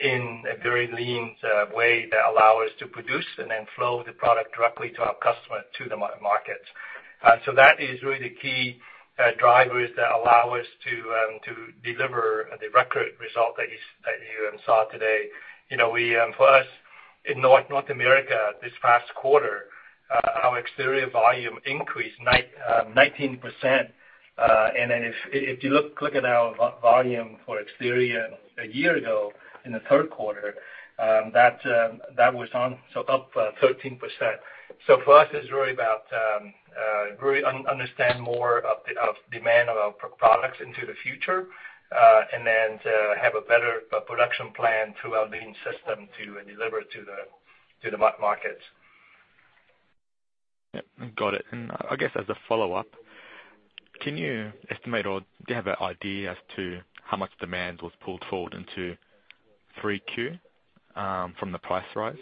in a very lean way that allow us to produce and then flow the product directly to our customer, to the market. So that is really the key drivers that allow us to deliver the record result that you saw today. You know, for us, in North America, this past quarter, our exterior volume increased 19%. And then if you look at our volume for exterior a year ago, in the third quarter, that was up 13%. So for us, it's really about understanding more of the demand of our products into the future, and then have a better production plan through our lean system to deliver to the markets. Yep, got it. And I guess as a follow-up, can you estimate, or do you have an idea as to how much demand was pulled forward into 3Q from the price rise?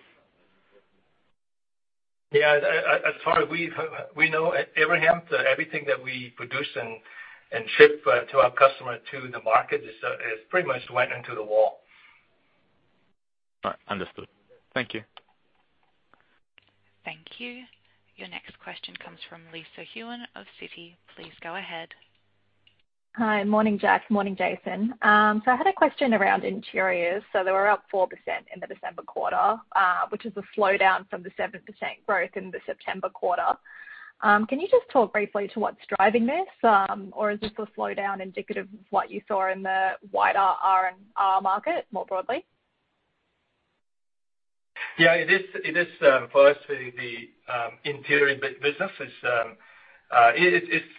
Yeah, as far as we know, Abraham, everything that we produce and ship to our customer, to the market is pretty much went into the wall. All right. Understood. Thank you. Thank you. Your next question comes from Lisa Huynh of Citi. Please go ahead. Hi. Morning, Jack. Morning, Jason. So I had a question around interiors. So they were up 4% in the December quarter, which is a slowdown from the 7% growth in the September quarter. Can you just talk briefly to what's driving this? Or is this a slowdown indicative of what you saw in the wider R&R market more broadly? Yeah, it is for us, the interior business is,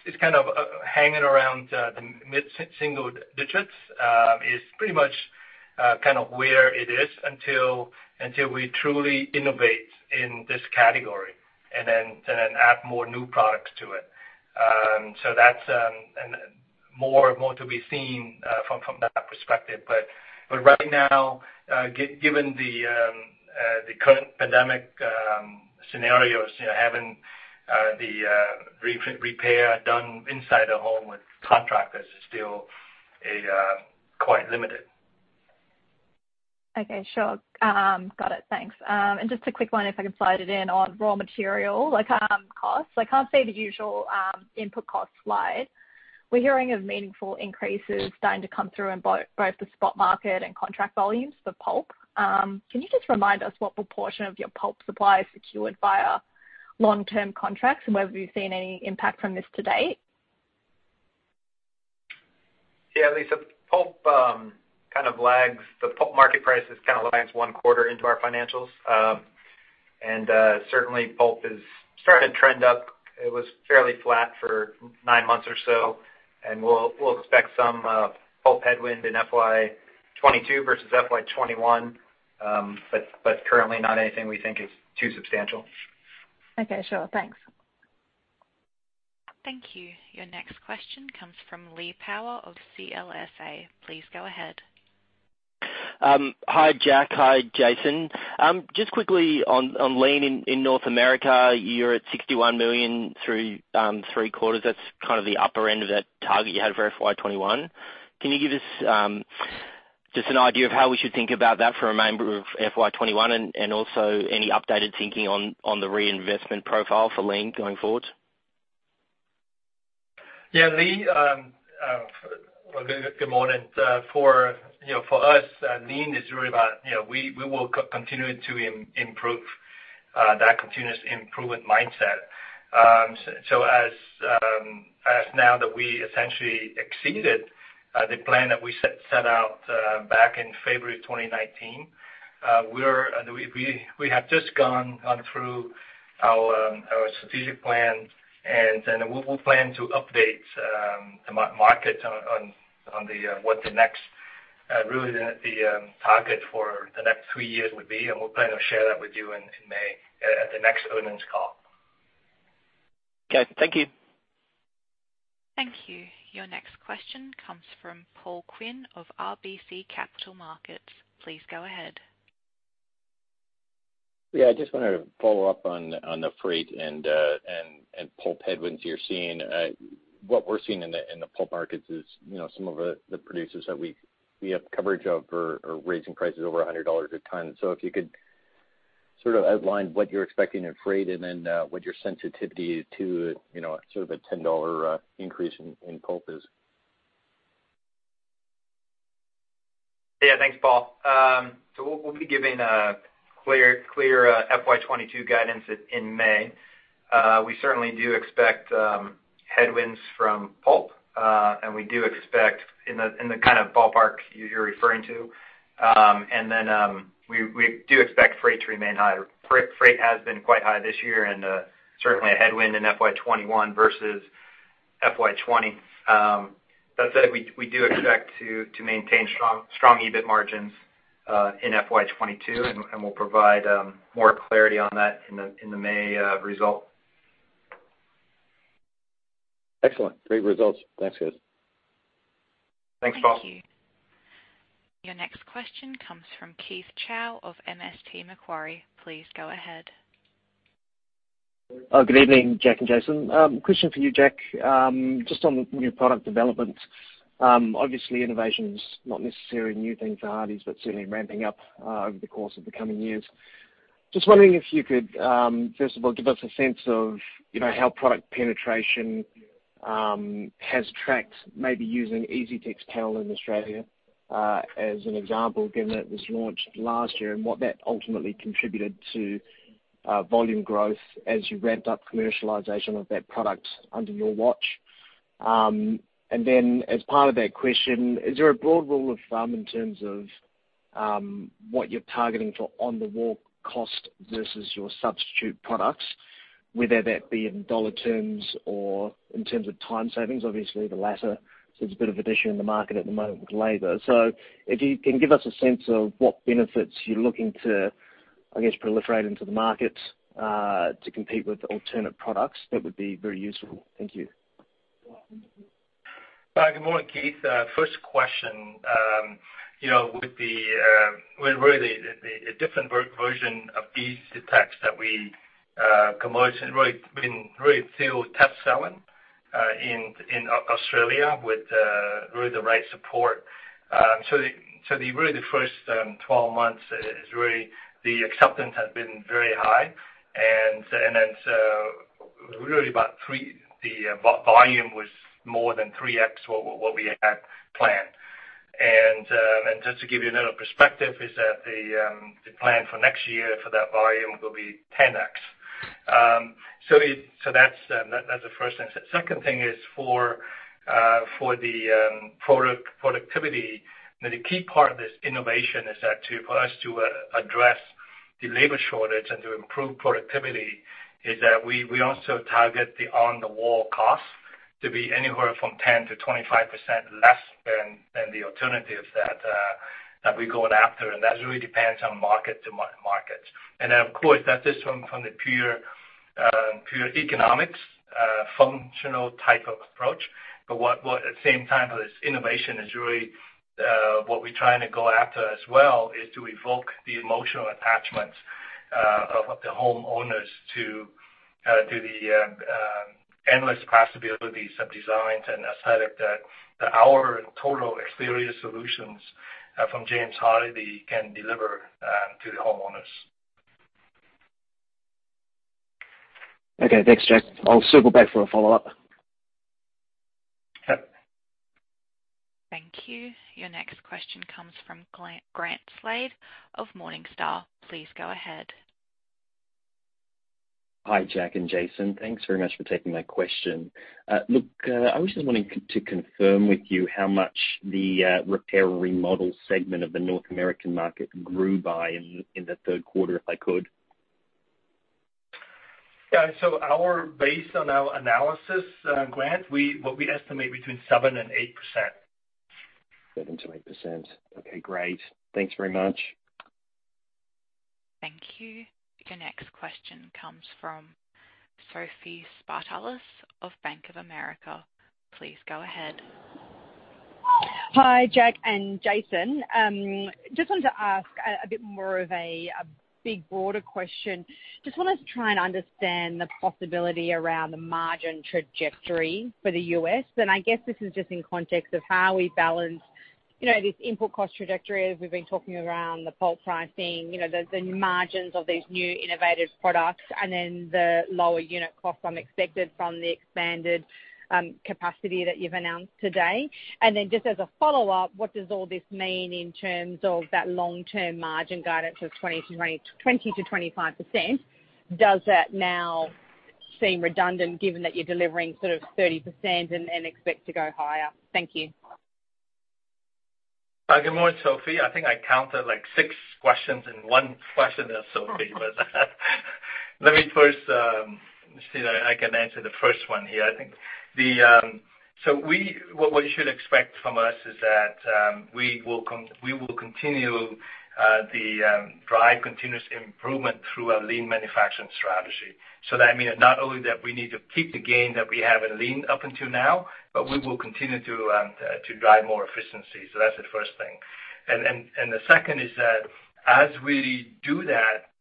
it's kind of hanging around the mid-single digits. It's pretty much kind of where it is until we truly innovate in this category and then add more new products to it. So that's and more to be seen from that perspective. But right now, given the current pandemic scenarios, you know, having the repair done inside the home with contractors is still quite limited. Okay, sure. Got it. Thanks. And just a quick one, if I can slide it in on raw material, like, costs. I can't see the usual input cost slide. We're hearing of meaningful increases starting to come through in both the spot market and contract volumes for pulp. Can you just remind us what proportion of your pulp supply is secured via long-term contracts, and whether you've seen any impact from this to date? Yeah, Lisa, pulp kind of lags. The pulp market prices kind of lags one quarter into our financials, and certainly pulp is starting to trend up. It was fairly flat for nine months or so, and we'll expect some pulp in FY 2022 versus FY 2021, but currently not anything we think is too substantial. Okay, sure. Thanks. Thank you. Your next question comes from Lee Power of CLSA. Please go ahead. Hi, Jack. Hi, Jason. Just quickly on lean in North America, you're at 61 million through three quarters. That's kind of the upper end of that target you had for FY 2021. Can you give us just an idea of how we should think about that for the remainder of FY 2021, and also any updated thinking on the reinvestment profile for lean going forward? Yeah, Lee, good morning. For us, you know, lean is really about, you know, we will continue to improve that continuous improvement mindset. So as now that we essentially exceeded the plan that we set out back in February 2019, we have just gone through our strategic plan, and then we plan to update the market on what the next really the target for the next three years would be, and we'll kind of share that with you in May at the next earnings call. Okay. Thank you. Thank you. Your next question comes from Paul Quinn of RBC Capital Markets. Please go ahead. Yeah, I just wanted to follow up on the freight and pulp headwinds you're seeing. What we're seeing in the pulp markets is, you know, some of the producers that we have coverage of are raising prices over $100 a ton. So if you could sort of outline what you're expecting in freight, and then what your sensitivity to, you know, sort of a $10 increase in pulp is. Yeah. Thanks, Paul. So we'll be giving a clear FY 2022 guidance in May. We certainly do expect headwinds from pulp, and we do expect in the kind of ballpark you're referring to. And then we do expect freight to remain higher. Freight has been quite high this year and certainly a headwind in FY 2021 versus FY 2020. That said, we do expect to maintain strong EBIT margins in FY 2022, and we'll provide more clarity on that in the May result. Excellent. Great results. Thanks, guys. Thanks, Paul. Thank you. Your next question comes from Keith Chau of MST Marquee. Please go ahead. Good evening, Jack and Jason. Question for you, Jack. Just on the new product development, obviously innovation is not necessarily a new thing for Hardie's, but certainly ramping up over the course of the coming years. Just wondering if you could, first of all, give us a sense of, you know, how product penetration has tracked, maybe using EasyTex Panel in Australia, as an example, given that it was launched last year, and what that ultimately contributed to, volume growth as you ramped up commercialization of that product under your watch? And then as part of that question, is there a broad rule of thumb in terms of, what you're targeting for on-the-wall cost versus your substitute products, whether that be in dollar terms or in terms of time savings? Obviously, the latter, so it's a bit of an issue in the market at the moment with labor. So if you can give us a sense of what benefits you're looking to, I guess, proliferate into the markets, to compete with alternate products, that would be very useful. Thank you. Good morning, Keith. First question, you know, with the, well, really a different version of EasyTex that we commercialized has really been still test selling in Australia with really the right support. So the first 12 months is really the acceptance has been very high. And so, and then, so really the volume was more than 3X what we had planned. And just to give you another perspective is that the plan for next year for that volume will be 10X. So that's the first thing. Second thing is for-... For the productivity, the key part of this innovation is that to, for us to, address the labor shortage and to improve productivity, is that we also target the on-the-wall cost to be anywhere from 10%-25% less than the alternatives that we're going after. And that really depends on markets. And then, of course, that is from the pure economics, functional type of approach. But what at the same time, with this innovation is really, what we're trying to go after as well, is to evoke the emotional attachments of the homeowners to the endless possibilities of designs and aesthetic that our total exterior solutions from James Hardie can deliver to the homeowners. Okay, thanks, Jack. I'll circle back for a follow-up. Okay. Thank you. Your next question comes from Grant, Grant Slade of Morningstar. Please go ahead. Hi, Jack and Jason. Thanks very much for taking my question. Look, I was just wanting to confirm with you how much the Repair and Remodel segment of the North American market grew by in the third quarter, if I could? Yeah, so based on our analysis, Grant, we estimate between 7% and 8%. 7%-8%. Okay, great. Thanks very much. Thank you. Your next question comes from Sophie Spartalis of Bank of America. Please go ahead. Hi, Jack and Jason. Just wanted to ask a bit more of a big broader question. Just wanted to try and understand the possibility around the margin trajectory for the US, and I guess this is just in context of how we balance, you know, this input cost trajectory, as we've been talking around the pulp pricing, you know, the margins of these new innovative products, and then the lower unit costs unexpected from the expanded capacity that you've announced today. And then, just as a follow-up, what does all this mean in terms of that long-term margin guidance of 20%-25%? Does that now seem redundant given that you're delivering sort of 30% and expect to go higher? Thank you. Good morning, Sophie. I think I counted, like, six questions in one question there, Sophie. But let me first see that I can answer the first one here. I think what you should expect from us is that we will continue the drive continuous improvement through our lean manufacturing strategy. So that mean, not only that we need to keep the gain that we have in lean up until now, but we will continue to drive more efficiency. So that's the first thing. And the second is that as we do that,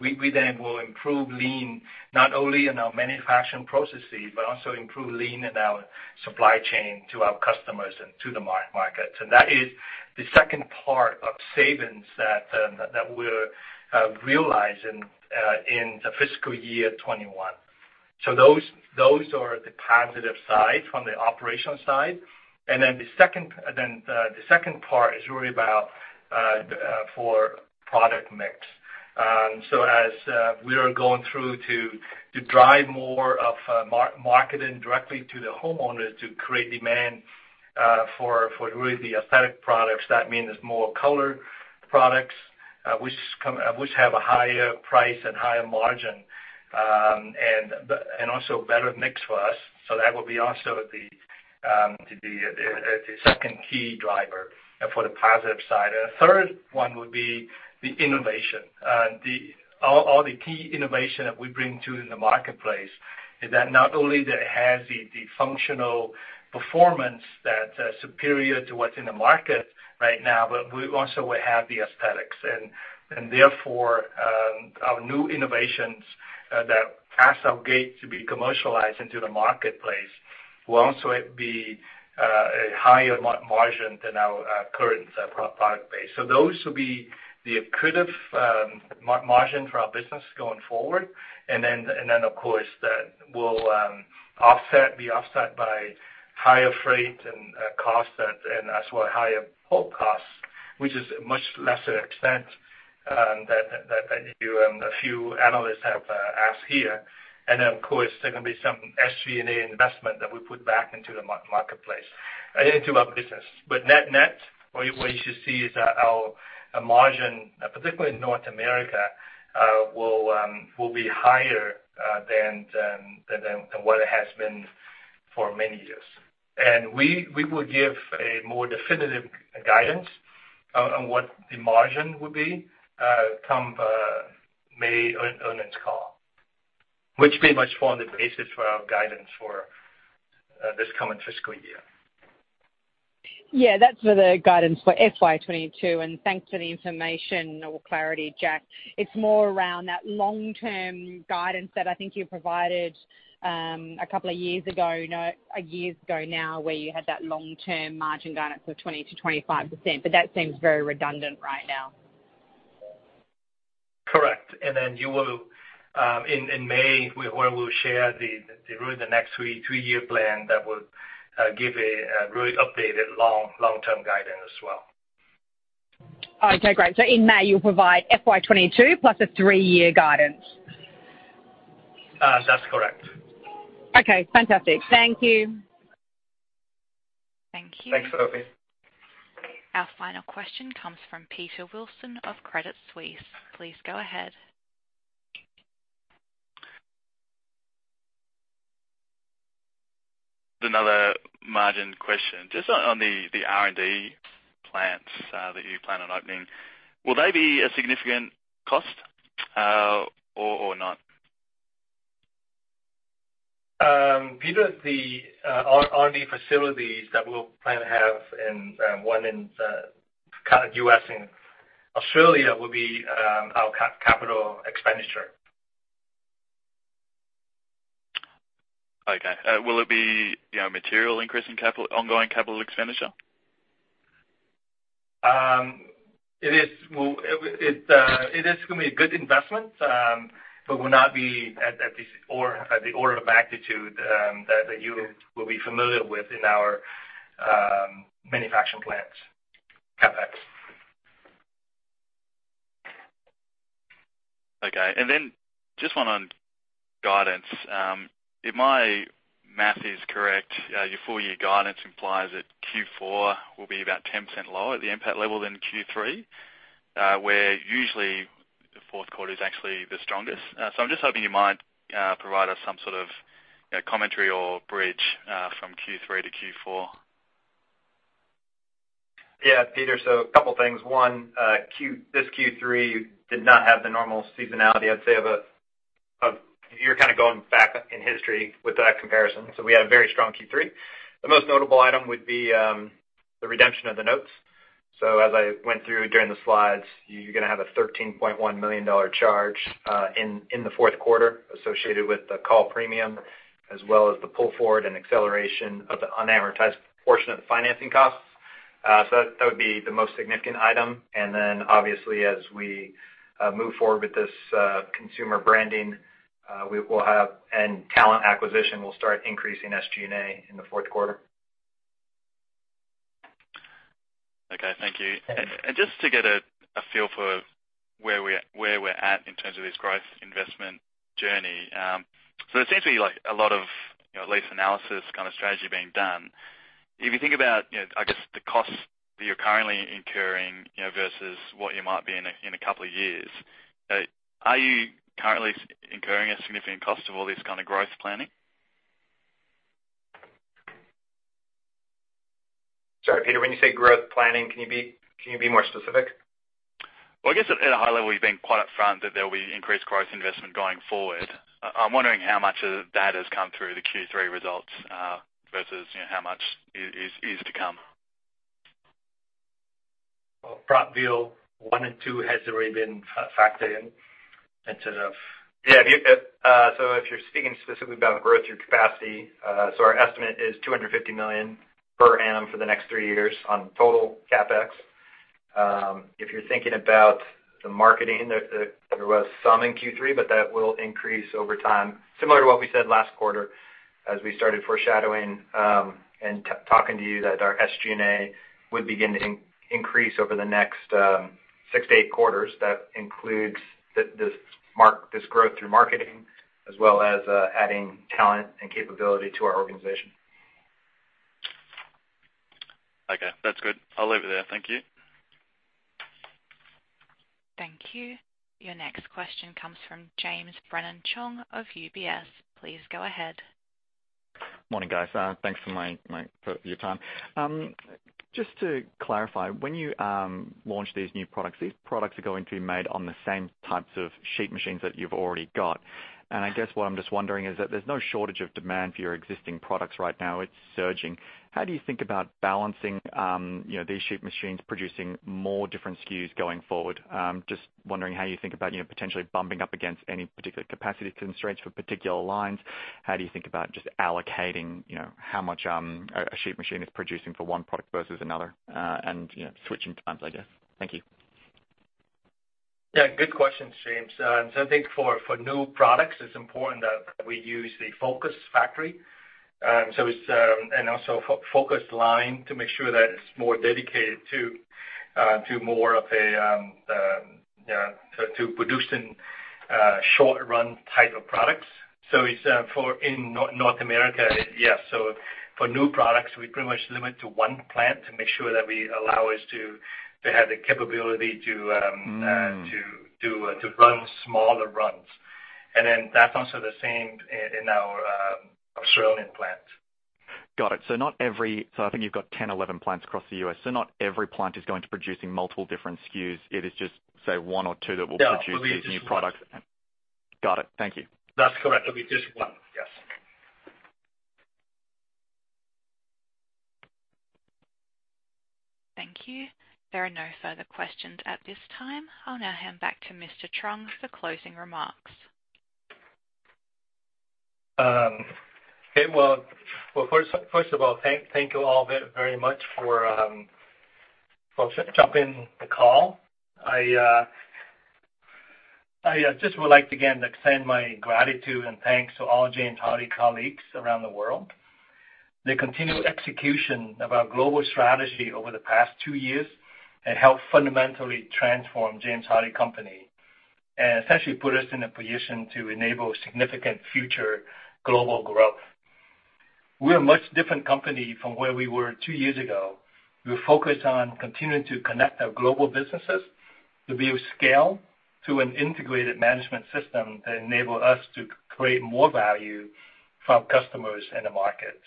we then will improve lean, not only in our manufacturing processes, but also improve lean in our supply chain to our customers and to the markets. And that is the second part of savings that that we're realizing in the fiscal year 2021. So those are the positive side from the operational side. And then the second part is really about for product mix. So as we are going through to drive more of marketing directly to the homeowners to create demand for really the aesthetic products, that mean it's more color products which have a higher price and higher margin and also better mix for us. So that will be also the second key driver for the positive side. And the third one would be the innovation. All the key innovation that we bring to the marketplace is that not only that it has the functional performance that is superior to what's in the market right now, but we also will have the aesthetics. And therefore, our new innovations that as of yet to be commercialized into the marketplace will also be a higher margin than our current product base. So those will be the accretive margin for our business going forward. And then, of course, that will be offset by higher freight and costs, and as well, higher port costs, which is a much lesser extent than a few analysts have asked here. And then, of course, there can be some SG&A investment that we put back into the marketplace and into our business. But net, what you should see is that our margin, particularly in North America, will be higher than what it has been for many years. And we will give a more definitive guidance on what the margin will be, come May earnings call, which pretty much form the basis for our guidance for this coming fiscal year. Yeah, that's for the guidance for FY 2022, and thanks for the information or clarity, Jack. It's more around that long-term guidance that I think you provided, a couple of years ago, you know, a year ago now, where you had that long-term margin guidance of 20%-25%, but that seems very redundant right now. Correct. And then you will, in May, where we'll share the really next three-year plan, that will give a really updated long-term guidance as well.… Okay, great. So in May, you'll provide FY 2022 plus a three-year guidance? That's correct. Okay, fantastic. Thank you. Thank you. Thanks, Sophie. Our final question comes from Peter Wilson of Credit Suisse. Please go ahead. Another margin question. Just on the R&D plants that you plan on opening, will they be a significant cost, or not? Peter, our R&D facilities that we'll plan to have in one in kind of U.S. and Australia will be our capital expenditure. Okay. Will it be, you know, a material increase in capital, ongoing capital expenditure? It is, well, it is gonna be a good investment, but will not be at least on the order of magnitude that you will be familiar with in our manufacturing plants, CapEx. Okay. And then just one on guidance. If my math is correct, your full year guidance implies that Q4 will be about 10% lower at the EBIT level than Q3, where usually the fourth quarter is actually the strongest. So I'm just hoping you might provide us some sort of, you know, commentary or bridge from Q3 to Q4. Yeah, Peter. So a couple things. One, this Q3 did not have the normal seasonality, I'd say, of a. You're kind of going back in history with that comparison. So we had a very strong Q3. The most notable item would be the redemption of the notes. So as I went through during the slides, you're gonna have a $13.1 million charge in the fourth quarter associated with the call premium, as well as the pull forward and acceleration of the unamortized portion of the financing costs. So that would be the most significant item. And then, obviously, as we move forward with this consumer branding, we will have and talent acquisition will start increasing SG&A in the fourth quarter. Okay, thank you. And just to get a feel for where we're at in terms of this growth investment journey. So it seems to be like a lot of, you know, lease analysis kind of strategy being done. If you think about, you know, I guess, the costs that you're currently incurring, you know, versus what you might be in a couple of years, are you currently incurring a significant cost of all this kind of growth planning? Sorry, Peter, when you say growth planning, can you be more specific? I guess at a high level, you've been quite upfront that there will be increased growth investment going forward. I'm wondering how much of that has come through the Q3 results, versus, you know, how much is to come? Prattville 1 and 2 has already been factored in, in terms of- Yeah, if, so if you're speaking specifically about growth through capacity, so our estimate is 250 million per annum for the next three years on total CapEx. If you're thinking about the marketing, the, there was some in Q3, but that will increase over time. Similar to what we said last quarter, as we started foreshadowing, and talking to you that our SG&A would begin to increase over the next six to eight quarters. That includes the, this marketing, this growth through marketing, as well as, adding talent and capability to our organization. Okay, that's good. I'll leave it there. Thank you. Thank you. Your next question comes from James Brennan-Chong of UBS. Please go ahead. Morning, guys. Thanks for your time. Just to clarify, when you launch these new products, these products are going to be made on the same types of sheet machines that you've already got. And I guess what I'm just wondering is that there's no shortage of demand for your existing products right now, it's surging. How do you think about balancing, you know, these sheet machines producing more different SKUs going forward? Just wondering how you think about, you know, potentially bumping up against any particular capacity constraints for particular lines. How do you think about just allocating, you know, how much, a, a sheet machine is producing for one product versus another, and, you know, switching times, I guess? Thank you. Yeah, good question, James. So I think for new products, it's important that we use the focused factory. So it's, and also focused line to make sure that it's more dedicated to more of a producing short-run type of products. So it's for in North America, yeah. So for new products, we pretty much limit to one plant to make sure that we allow us to have the capability to To run smaller runs, and then that's also the same in our Australian plant. Got it. So not every... So I think you've got 10, 11 plants across the U.S., so not every plant is going to producing multiple different SKUs. It is just, say, one or two that will produce- Yeah. These new products. Got it. Thank you. That's correct. It'll be just one. Yes. Thank you. There are no further questions at this time. I'll now hand back to Mr. Truong for closing remarks. Okay, first of all, thank you all very much for joining the call. I just would like to again extend my gratitude and thanks to all James Hardie colleagues around the world. The continued execution of our global strategy over the past two years has helped fundamentally transform James Hardie company, and essentially put us in a position to enable significant future global growth. We're a much different company from where we were two years ago. We're focused on continuing to connect our global businesses to build scale, to an integrated management system that enable us to create more value from customers in the market.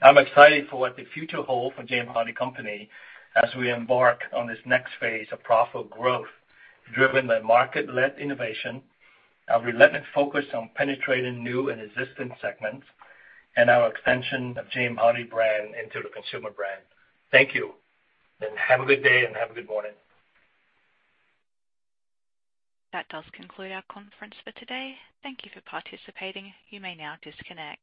I'm excited for what the future holds for James Hardie company, as we embark on this next phase of profitable growth, driven by market-led innovation, our relentless focus on penetrating new and existing segments, and our extension of James Hardie brand into the consumer brand. Thank you, and have a good day, and have a good morning. That does conclude our conference for today. Thank you for participating. You may now disconnect.